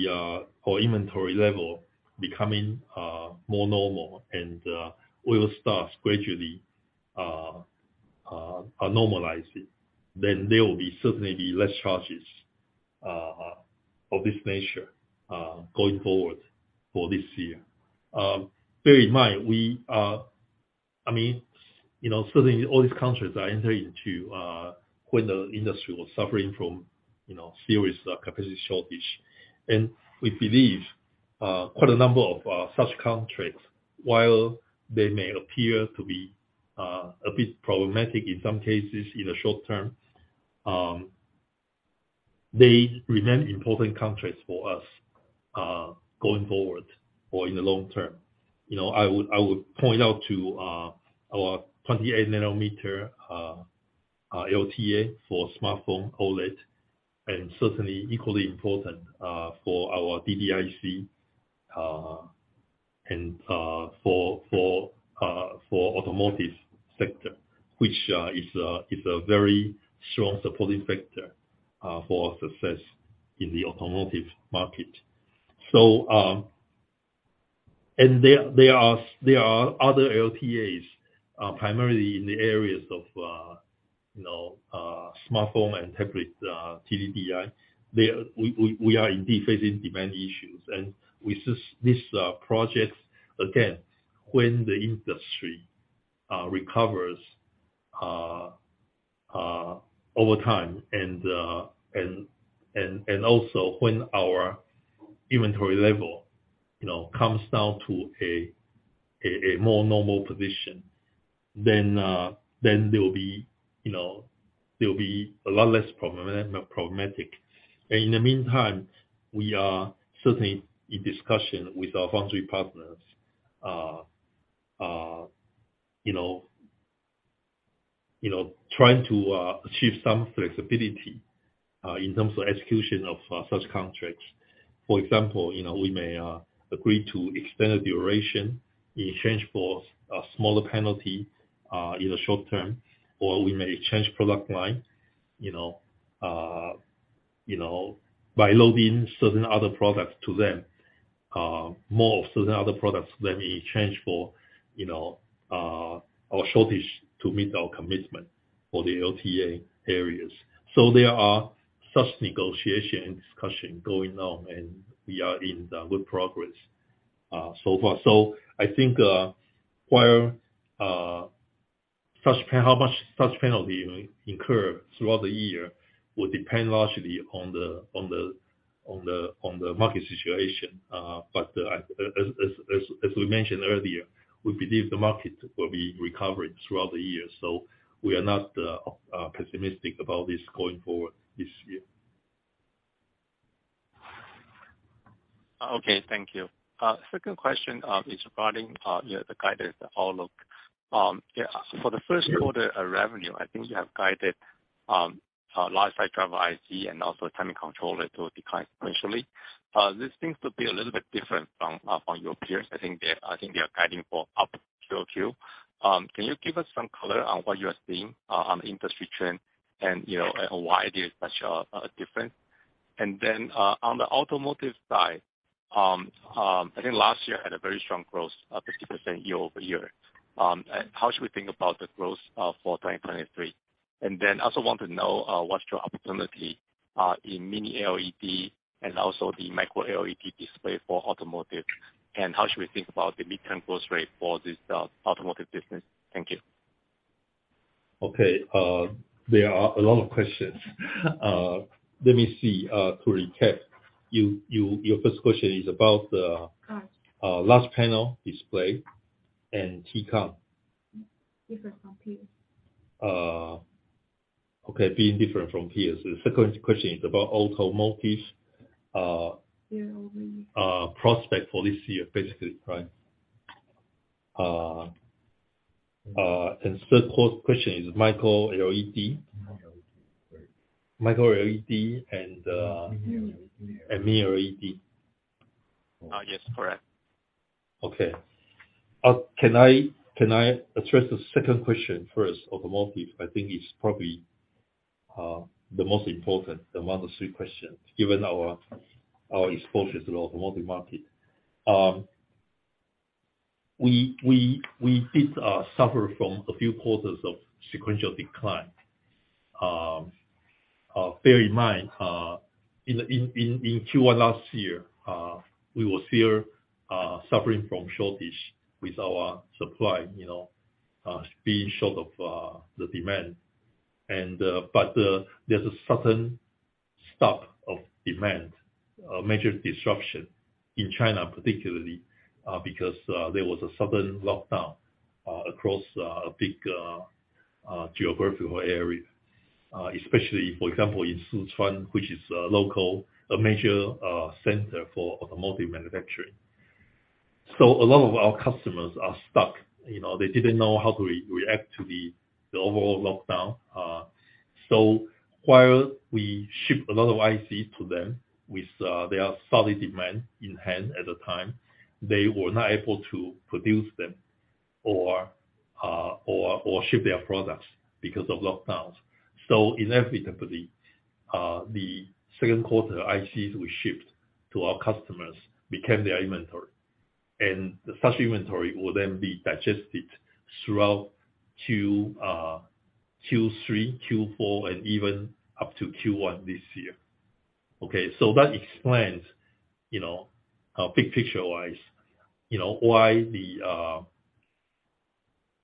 our inventory level becoming more normal and order starts gradually normalizing, then there will be certainly be less charges of this nature going forward for this year. Bear in mind, we, I mean, you know, certainly all these contracts are entered into when the industry was suffering from, you know, serious capacity shortage. We believe quite a number of such contracts, while they may appear to be a bit problematic in some cases in the short term, they remain important countries for us going forward or in the long term. You know, I would point out to our 28-nanometer LTA for smartphone OLED, and certainly equally important for our DDIC and for automotive sector, which is a very strong supporting factor for success in the automotive market. There are other LTAs primarily in the areas of, you know, smartphone and tablet TDDI. We are indeed facing demand issues. We project this again, when the industry recovers over time and also when our inventory level, you know, comes down to a more normal position, then there will be, you know, a lot less problematic. In the meantime, we are certainly in discussion with our foundry partners, you know, trying to achieve some flexibility in terms of execution of such contracts. For example, you know, we may agree to extend the duration in exchange for a smaller penalty in the short term, or we may change product line, you know, by loading certain other products to them, more certain other products than in exchange for, you know, our shortage to meet our commitment for the LTA areas. There are such negotiation and discussion going on, and we are in good progress so far. I think while how much such penalty we incur throughout the year will depend largely on the market situation. As we mentioned earlier, we believe the market will be recovering throughout the year, so we are not pessimistic about this going forward this year. Okay. Thank you. Second question, is regarding, you know, the guidance outlook. For the first quarter, revenue, I think you have guided, large drive IC and also timing controller to decline sequentially. This seems to be a little bit different from your peers. I think they are guiding for up Q-o-Q. Can you give us some color on what you are seeing, on industry trend and, you know, and why there's such a difference? On the automotive side, I think last year had a very strong growth, 50% year-over-year. How should we think about the growth, for 2023? Also want to know, what's your opportunity in MiniLED and also the MicroLED display for automotive, and how should we think about the midterm growth rate for this automotive business? Thank you. Okay. There are a lot of questions. Let me see. To recap, your first question is about the large panel display and TCON. Different from peers. Okay, being different from peers. The second question is about automotive, only prospect for this year, basically, right? Third question is MicroLED. Sorry. MicroLED and MiniLED. Yes, correct. Okay. Can I address the second question first, automotive? I think it's probably the most important among the three questions, given our exposure to the automotive market. We did suffer from a few quarters of sequential decline. Bear in mind, in Q1 last year, we were still suffering from shortage with our supply, you know, being short of the demand. There's a sudden stop of demand, a major disruption in China particularly, because there was a sudden lockdown across a big geographical area. Especially, for example, in Sichuan, which is a local, a major center for automotive manufacturing. A lot of our customers are stuck. You know, they didn't know how to re-react to the overall lockdown. While we ship a lot of ICs to them with their solid demand in hand at the time, they were not able to produce them or ship their products because of lockdowns. Inevitably, the second quarter ICs we shipped to our customers became their inventory. The such inventory will then be digested throughout Q3, Q4, and even up to Q1 this year. Okay? That explains, you know, big picture-wise, you know, why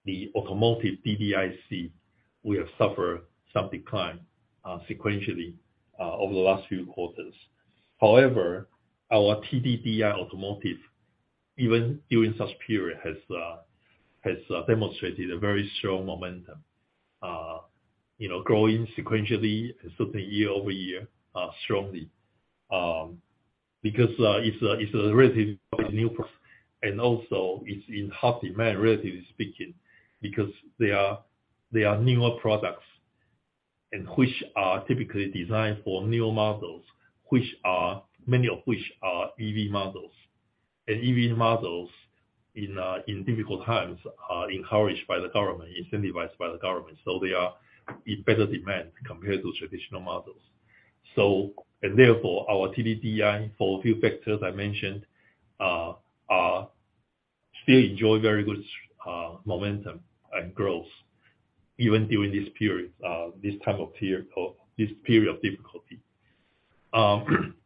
the automotive DDIC will suffer some decline sequentially over the last few quarters. However, our TDDI automotive, even during such period has demonstrated a very strong momentum, you know, growing sequentially and certainly year-over-year strongly. Because it's a relatively new product and also it's in hot demand, relatively speaking, because they are newer products and which are typically designed for new models, many of which are EV models. EV models in difficult times are encouraged by the government, incentivized by the government, so they are in better demand compared to traditional models. Therefore, our TDDI for a few factors I mentioned, are still enjoy very good momentum and growth even during this period, this type of period or this period of difficulty.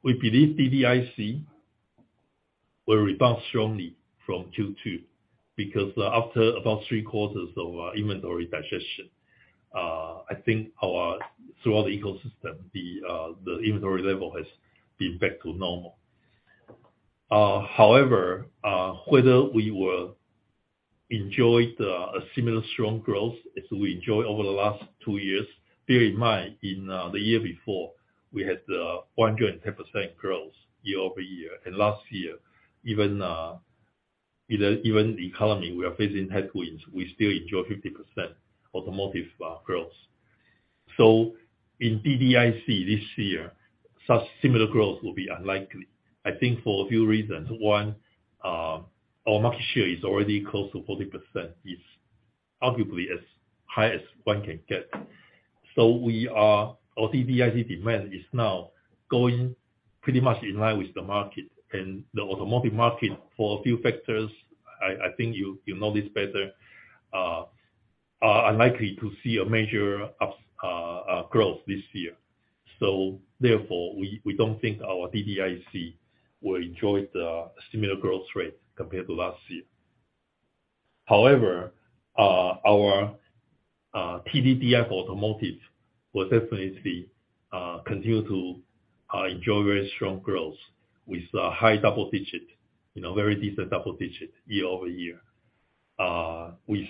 We believe DDIC will rebound strongly from Q2 because after about three quarters of inventory digestion, I think our throughout the ecosystem the inventory level has been back to normal. However, whether we will enjoy the similar strong growth as we enjoyed over the last two years, bear in mind, in the year before, we had 110% growth year-over-year. Last year, even the economy, we are facing headwinds, we still enjoy 50% automotive growth. In DDIC this year, such similar growth will be unlikely, I think for a few reasons. One, our market share is already close to 40%. It's arguably as high as one can get. Our DDIC demand is now going pretty much in line with the market and the automotive market for a few factors, I think you know this better, are unlikely to see a major ups growth this year. We don't think our DDIC will enjoy the similar growth rate compared to last year. Our TDDI for automotive will definitely continue to enjoy very strong growth with high double digits, you know, very decent double digits year-over-year. With,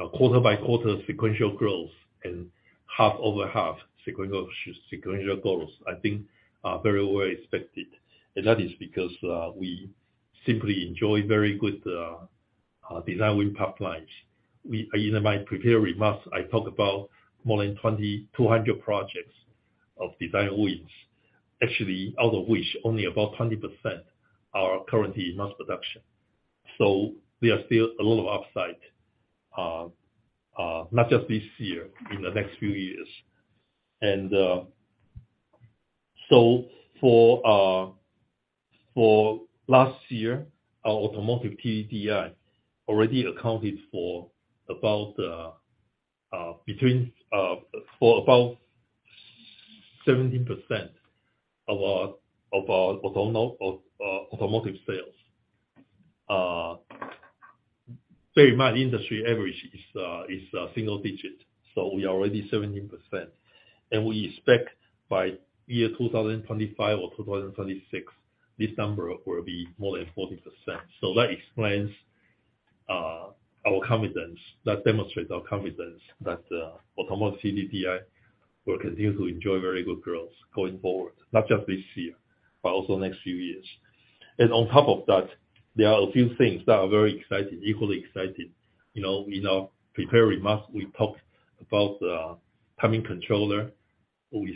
you know, quarter-by-quarter sequential growth and half-over-half sequential growth, I think are very well expected. We simply enjoy very good design win pipelines. In my prepared remarks, I talked about more than 2,200 projects of design wins, actually, out of which only about 20% are currently in mass production. There are still a lot of upside, not just this year, in the next few years. So for last year, our automotive TDDI already accounted for about between for about 17% of our automotive sales. Bear in mind, industry average is single digits, so we are already 17%. We expect by year 2025 or 2026, this number will be more than 40%. That explains our confidence. That demonstrates our confidence that automotive TDDI will continue to enjoy very good growth going forward, not just this year, but also next few years. On top of that, there are a few things that are very exciting, equally exciting. You know, in our prepared remarks, we talked about timing controller with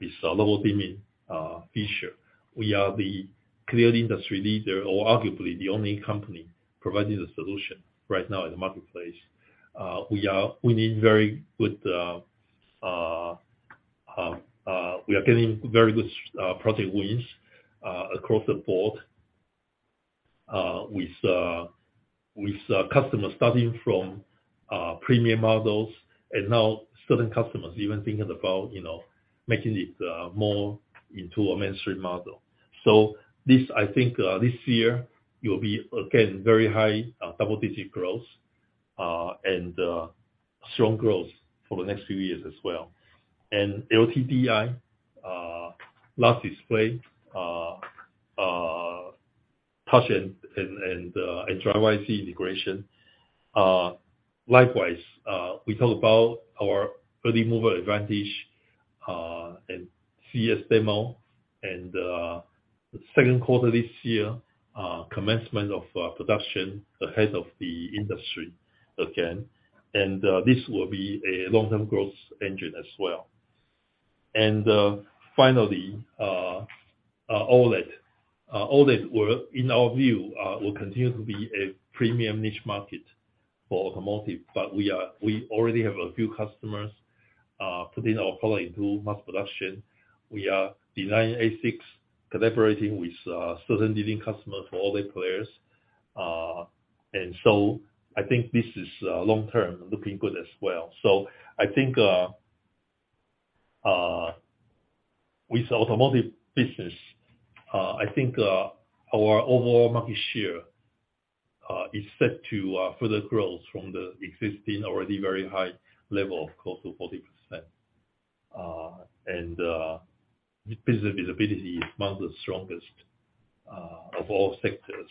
with local dimming feature. We are the clear industry leader, or arguably the only company providing a solution right now in the marketplace. We are getting very good project wins across the board with customers starting from premium models and now certain customers even thinking about, you know, making it more into a mainstream model. This, I think, this year, will be again, very high double-digit growth and strong growth for the next few years as well. LTDI, large display touch and driver IC integration. Likewise, we talked about our early mover advantage and CES demo and second quarter this year, commencement of production ahead of the industry again. This will be a long-term growth engine as well. Finally, OLED. OLED will, in our view, will continue to be a premium niche market for automotive, but we already have a few customers, putting our product into mass production. We are designing ASICs, collaborating with certain leading customers for OLED players. I think this is long-term looking good as well. I think, with automotive business, I think, our overall market share is set to further growth from the existing already very high level of close to 40%. This visibility is one of the strongest of all sectors.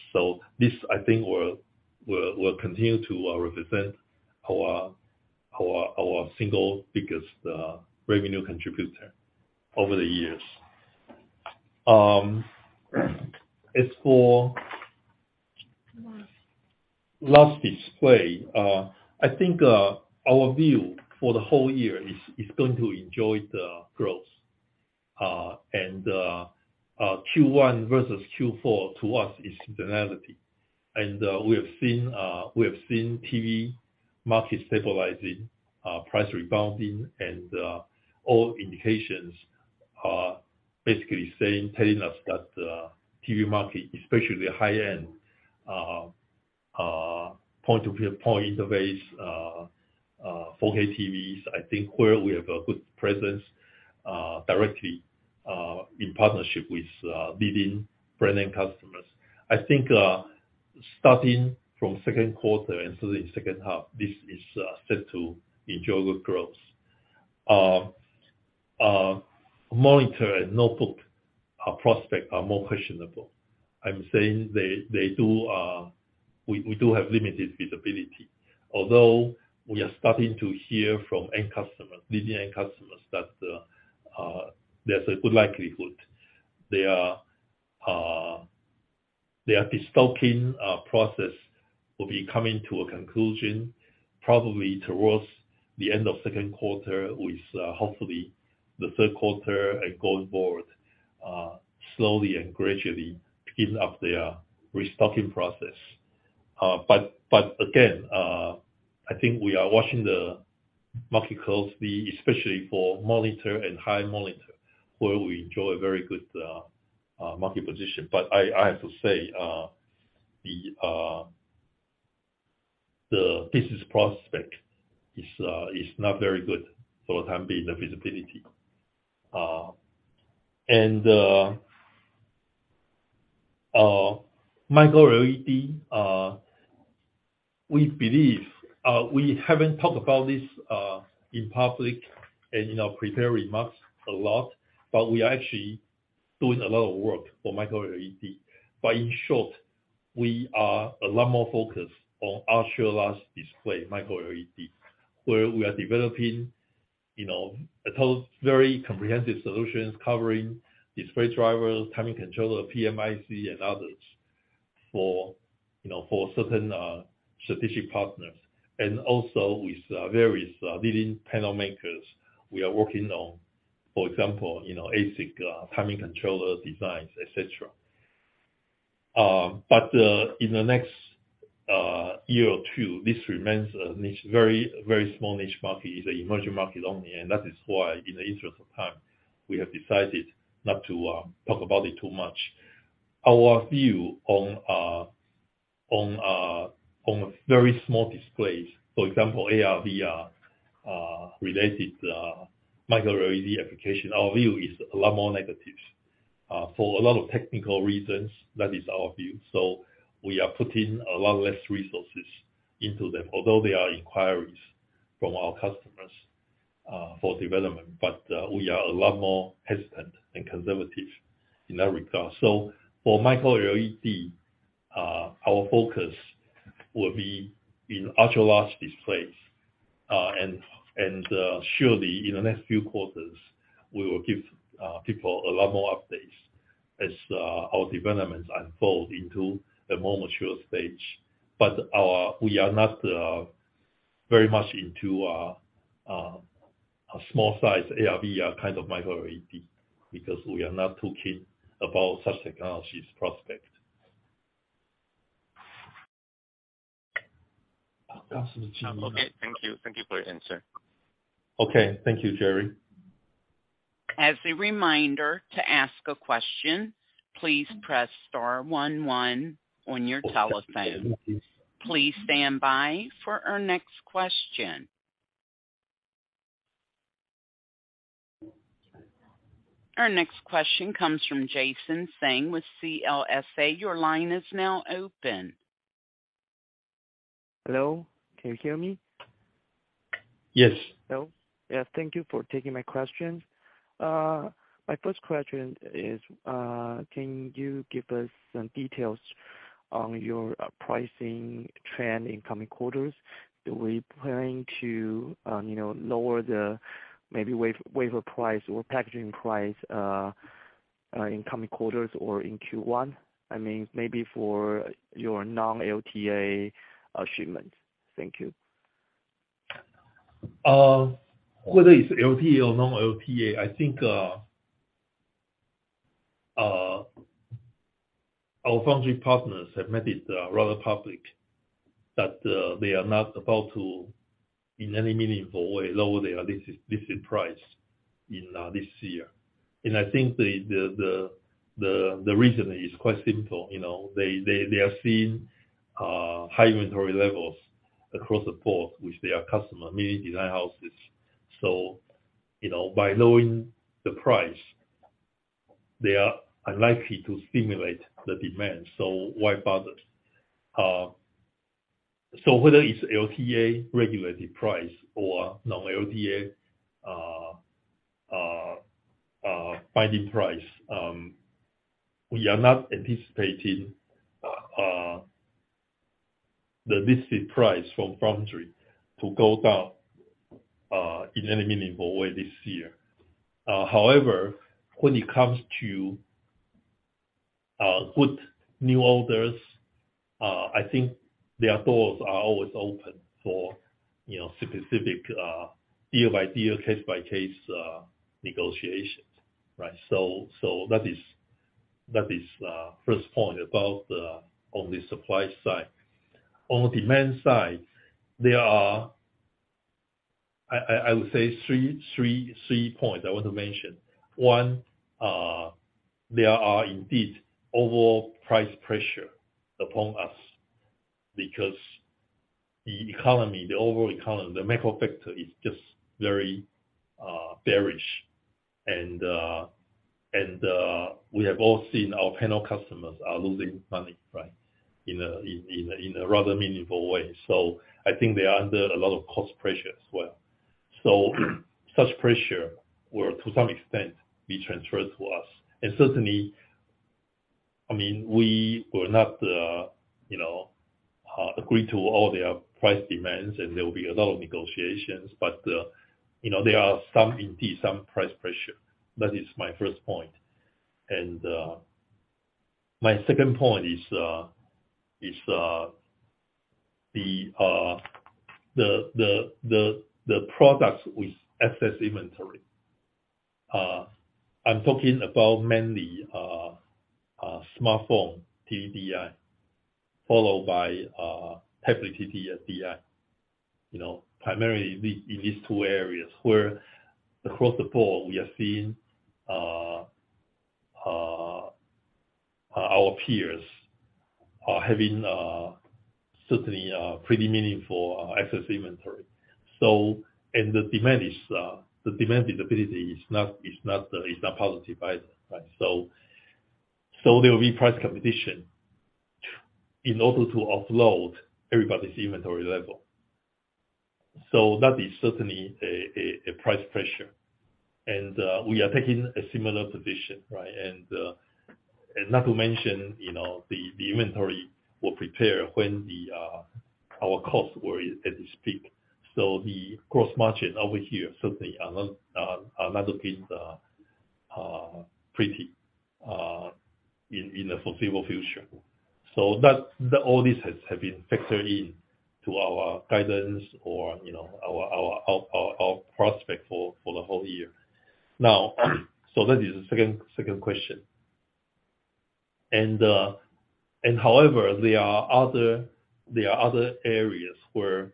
This, I think, will continue to represent our, our single biggest revenue contributor over the years. As for large display, I think our view for the whole year is going to enjoy the growth. Q1 versus Q4 to us is seasonality. We have seen TV market stabilizing, price rebounding, and all indications are basically saying, telling us that TV market, especially high-end, point interface, 4K TVs, I think where we have a good presence, directly, in partnership with leading brand name customers. I think starting from second quarter and into the second half, this is set to enjoy good growth. Monitor and notebook prospect are more questionable. I'm saying they do, we do have limited visibility. We are starting to hear from end customers, leading end customers that there's a good likelihood their destocking process will be coming to a conclusion probably towards the end of 2Q, with hopefully the 3Q and going forward, slowly and gradually picking up their restocking process. Again, I think we are watching the market closely, especially for monitor and high monitor, where we enjoy a very good market position. I have to say, the business prospect is not very good for the time being, the visibility. MicroLED, we believe, we haven't talked about this in public and in our prepared remarks a lot, we are actually doing a lot of work for MicroLED. In short, we are a lot more focused on ultra-large display MicroLED, where we are developing, you know, a total very comprehensive solutions covering display drivers, timing controller, PMIC and others for, you know, for certain strategic partners. Also with various leading panel makers we are working on, for example, you know, ASIC timing controller designs, et cetera. In the next year or two, this remains a niche, very, very small niche market. It's an emerging market only. That is why, in the interest of time, we have decided not to talk about it too much. Our view on very small displays, for example AR/VR related MicroLED application, our view is a lot more negative. For a lot of technical reasons, that is our view. We are putting a lot less resources into them. Although there are inquiries from our customers, for development, but we are a lot more hesitant and conservative in that regard. For MicroLED, our focus will be in ultra-large displays. Surely in the next few quarters we will give people a lot more updates as our developments unfold into a more mature stage. We are not very much into a small size AR/VR kind of MicroLED, because we are not too keen about such technologies prospect. Okay. Thank you. Thank you for your answer. Okay. Thank you, Jerry. As a reminder, to ask a question, please press star one one on your telephone. Please stand by for our next question. Our next question comes from Jason Tsang with CLSA. Your line is now open. Hello. Can you hear me? Yes. Hello. Yeah, thank you for taking my questions. My first question is, can you give us some details on your pricing trend in coming quarters? Do we plan to, you know, lower the maybe wafer price or packaging price in coming quarters or in Q1? I mean, maybe for your non-LTA shipments. Thank you. Whether it's LTA or non-LTA, I think our foundry partners have made it rather public that they are not about to, in any meaningful way, lower their listed price in this year. I think the reason is quite simple. You know, they are seeing high inventory levels across the board, which they are customer, meaning design houses. You know, by lowering the price they are unlikely to stimulate the demand, so why bother? So whether it's LTA regulated price or non-LTA binding price, we are not anticipating the listed price from foundry to go down in any meaningful way this year. However, when it comes to good new orders, I think their doors are always open for, you know, specific, deal by deal, case by case, negotiations. Right. That is first point about the on the supply side. On the demand side, there are I would say three points I want to mention. One, there are indeed overall price pressure upon us because the economy, the overall economy, the macro factor is just very bearish. We have all seen our panel customers are losing money, right. In a rather meaningful way. I think they are under a lot of cost pressure as well. Such pressure will to some extent be transferred to us. Certainly, I mean, we will not, you know, agree to all their price demands and there will be a lot of negotiations, but, you know, there are some indeed some price pressure. That is my first point. My second point is the products with excess inventory. I'm talking about mainly smartphone TDDI, followed by tablet TDDI. You know, primarily the, in these two areas where across the board we are seeing our peers having certainly pretty meaningful excess inventory. The demand is, the demand visibility is not positive either, right? So there will be price competition in order to offload everybody's inventory level. That is certainly a price pressure. We are taking a similar position, right? Not to mention, you know, the inventory were prepared when our costs were at its peak. The gross margin over here certainly are not looking pretty in the foreseeable future. All these have been factored in to our guidance or, you know, our prospect for the whole year. That is the second question. However, there are other areas where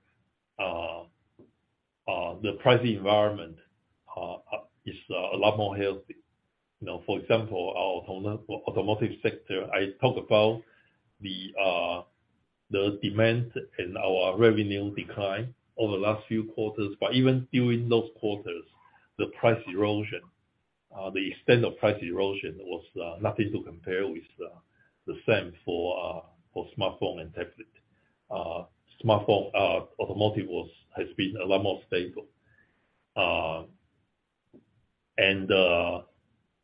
the pricing environment is a lot more healthy. You know, for example, our automotive sector, I talked about the demand and our revenue decline over the last few quarters. Even during those quarters, the price erosion, the extent of price erosion was nothing to compare with the same for smartphone and tablet. Smartphone, automotive has been a lot more stable.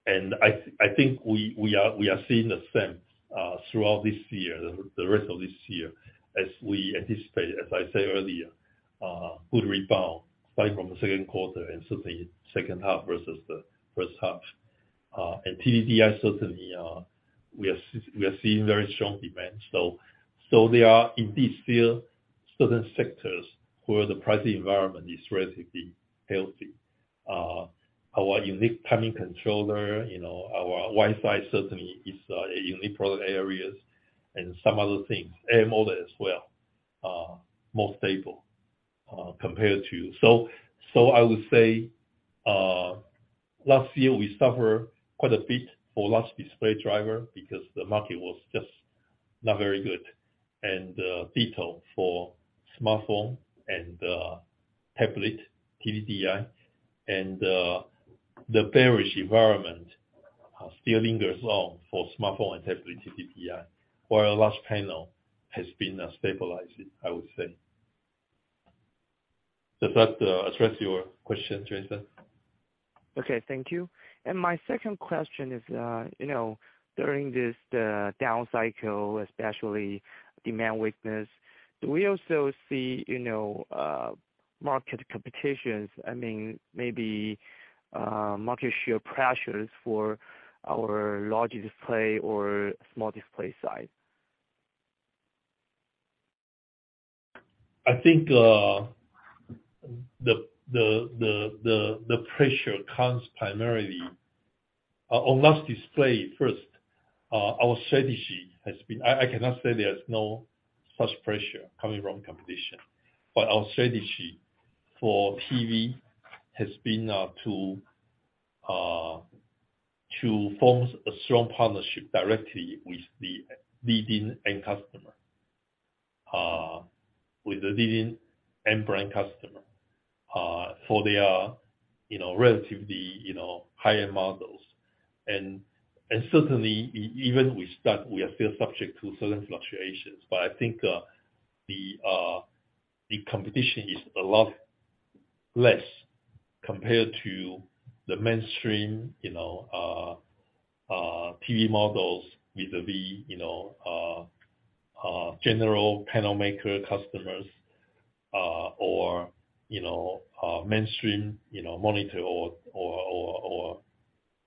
I think we are seeing the same throughout this year, the rest of this year, as we anticipate, as I said earlier, good rebound right from the second quarter and certainly second half versus the first half. TDDI certainly, we are seeing very strong demand. There are indeed still certain sectors where the pricing environment is relatively healthy. Our unique timing controller, you know, our WiseEye certainly is a unique product areas and some other things. AMOLED as well, more stable, compared to... I would say, last year we suffer quite a bit for large display driver because the market was just not very good. Ditto for smartphone and tablet TDDI. The bearish environment still lingers on for smartphone and tablet TDDI, while large panel has been stabilizing, I would say. Does that address your question, Jason? Okay, thank you. My second question is, you know, during this down cycle, especially demand weakness, do we also see, you know, market competitions? I mean, maybe market share pressures for our large display or small display side? I think the pressure comes primarily on last display first. Our strategy has been I cannot say there's no such pressure coming from competition, but our strategy for TV has been to form a strong partnership directly with the leading end customer. With the leading end brand customer, for their, you know, relatively, you know, higher models. Certainly even with that, we are still subject to certain fluctuations. I think the competition is a lot less compared to the mainstream, you know, TV models with the, you know, general panel maker customers, or you know, mainstream, you know, monitor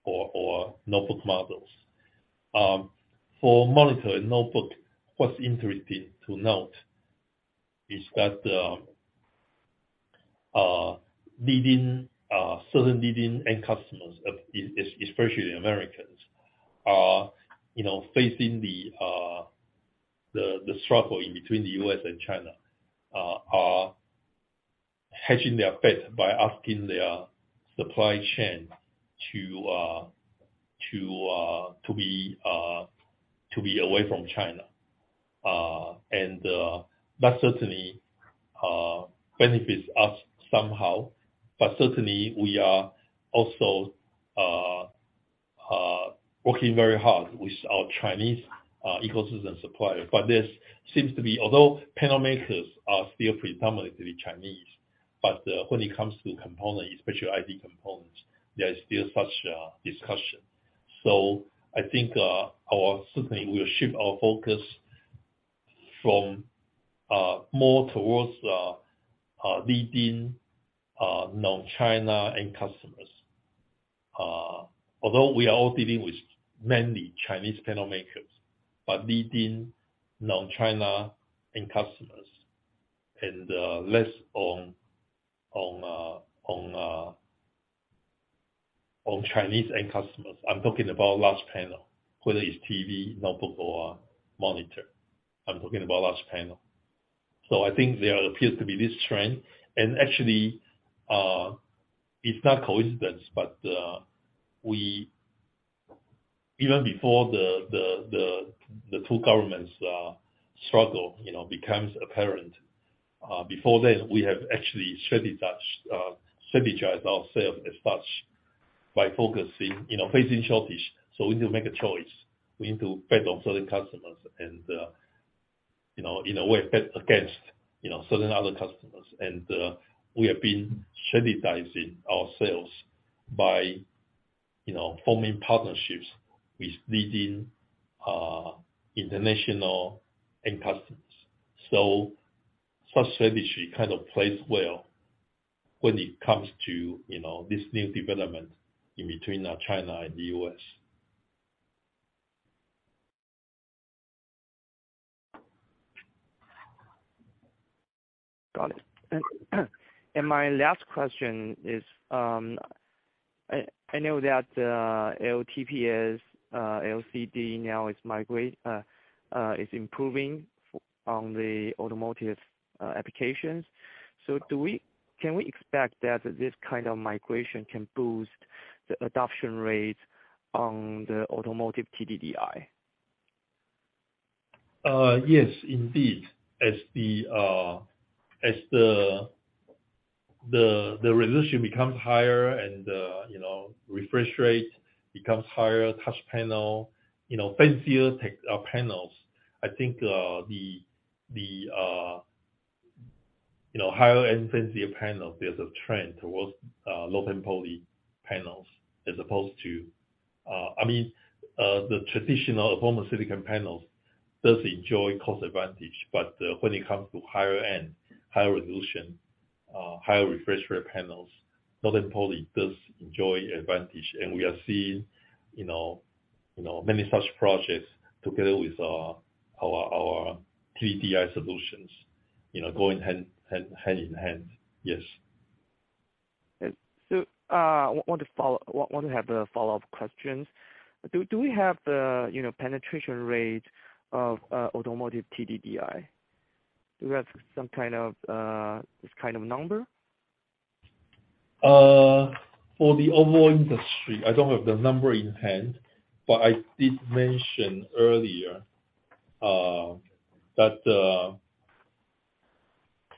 or notebook models. For monitor and notebook, what's interesting to note is that leading certain leading end customers, especially Americans, are, you know, facing the the struggle in between the U.S. And China, are hedging their bet by asking their supply chain to to be to be away from China. That certainly benefits us somehow. Certainly we are also working very hard with our Chinese ecosystem suppliers. This seems to be, although panel makers are still predominantly Chinese, but when it comes to components, especially ID components, there is still such a discussion. I think certainly we'll shift our focus from more towards leading non-China end customers. Although we are all dealing with mainly Chinese panel makers, but leading non-China end customers and less on Chinese end customers. I'm talking about large panel, whether it's TV, notebook or monitor. I'm talking about large panel. I think there appears to be this trend and actually it's not coincidence, but even before the two governments struggle, you know, becomes apparent, before this, we have actually strategized ourselves as such by focusing, you know, facing shortage. We need to make a choice. We need to bet on certain customers and, you know, in a way bet against, you know, certain other customers. We have been strategizing ourselves by, you know, forming partnerships with leading international end customers. Such strategy kind of plays well when it comes to, you know, this new development in between China and the U.S. Got it. My last question is, I know that LTPS, LCD now is improving on the automotive applications. Can we expect that this kind of migration can boost the adoption rate on the automotive TDDI? Yes, indeed. As the resolution becomes higher and, you know, refresh rate becomes higher, touch panel, you know, fancier tech panels, I think, the, you know, higher end fancier panels, there's a trend towards Low-Temp Poly panels as opposed to. I mean, the traditional amorphous silicon panels does enjoy cost advantage, but, when it comes to higher end, higher resolution, higher refresh rate panels, Low-Temp Poly does enjoy advantage. And we are seeing, you know, many such projects together with our TDDI solutions, you know, going hand in hand. Yes. I want to have the follow-up questions. Do we have the, you know, penetration rate of automotive TDDI? Do you have some kind of this kind of number? For the overall industry, I don't have the number in hand, but I did mention earlier, that,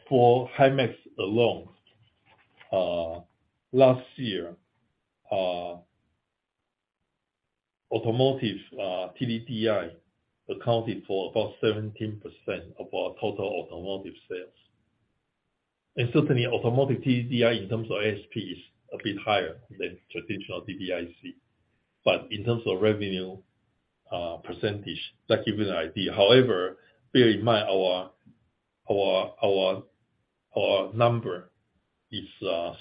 for Himax alone, last year, automotive TDDI accounted for about 17% of our total automotive sales. Certainly automotive TDDI in terms of ASP is a bit higher than traditional DDIC. In terms of revenue, percentage, that gives you an idea. However, bear in mind our number is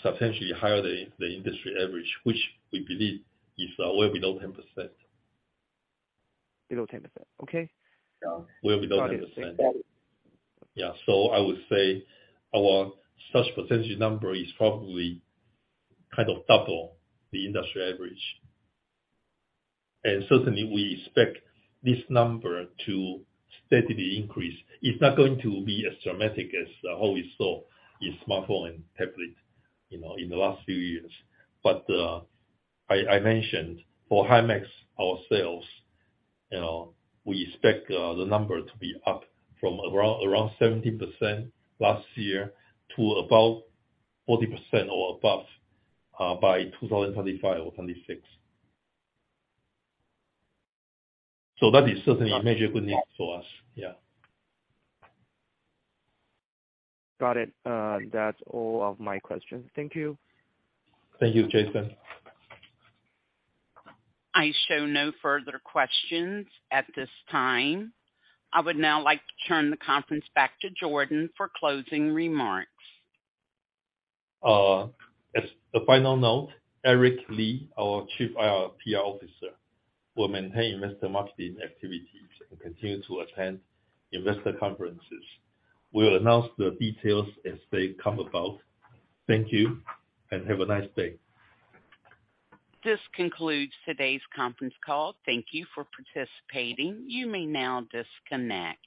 substantially higher than the industry average, which we believe is way below 10%. Below 10%. Okay. Way below 10%. Got it. Thank you. Yeah. I would say our such percentage number is probably kind of double the industry average. Certainly we expect this number to steadily increase. It's not going to be as dramatic as how we saw in smartphone and tablet, you know, in the last few years. I mentioned for Himax, our sales, you know, we expect the number to be up from around 17% last year to about 40% or above by 2025 or 2026. That is certainly a major good news for us. Yeah. Got it. That's all of my questions. Thank you. Thank you, Jason. I show no further questions at this time. I would now like to turn the conference back to Jordan for closing remarks. As a final note, Eric Li, our Chief IR/PR Officer, will maintain investor marketing activities and continue to attend investor conferences. We'll announce the details as they come about. Thank you. Have a nice day. This concludes today's conference call. Thank you for participating. You may now disconnect.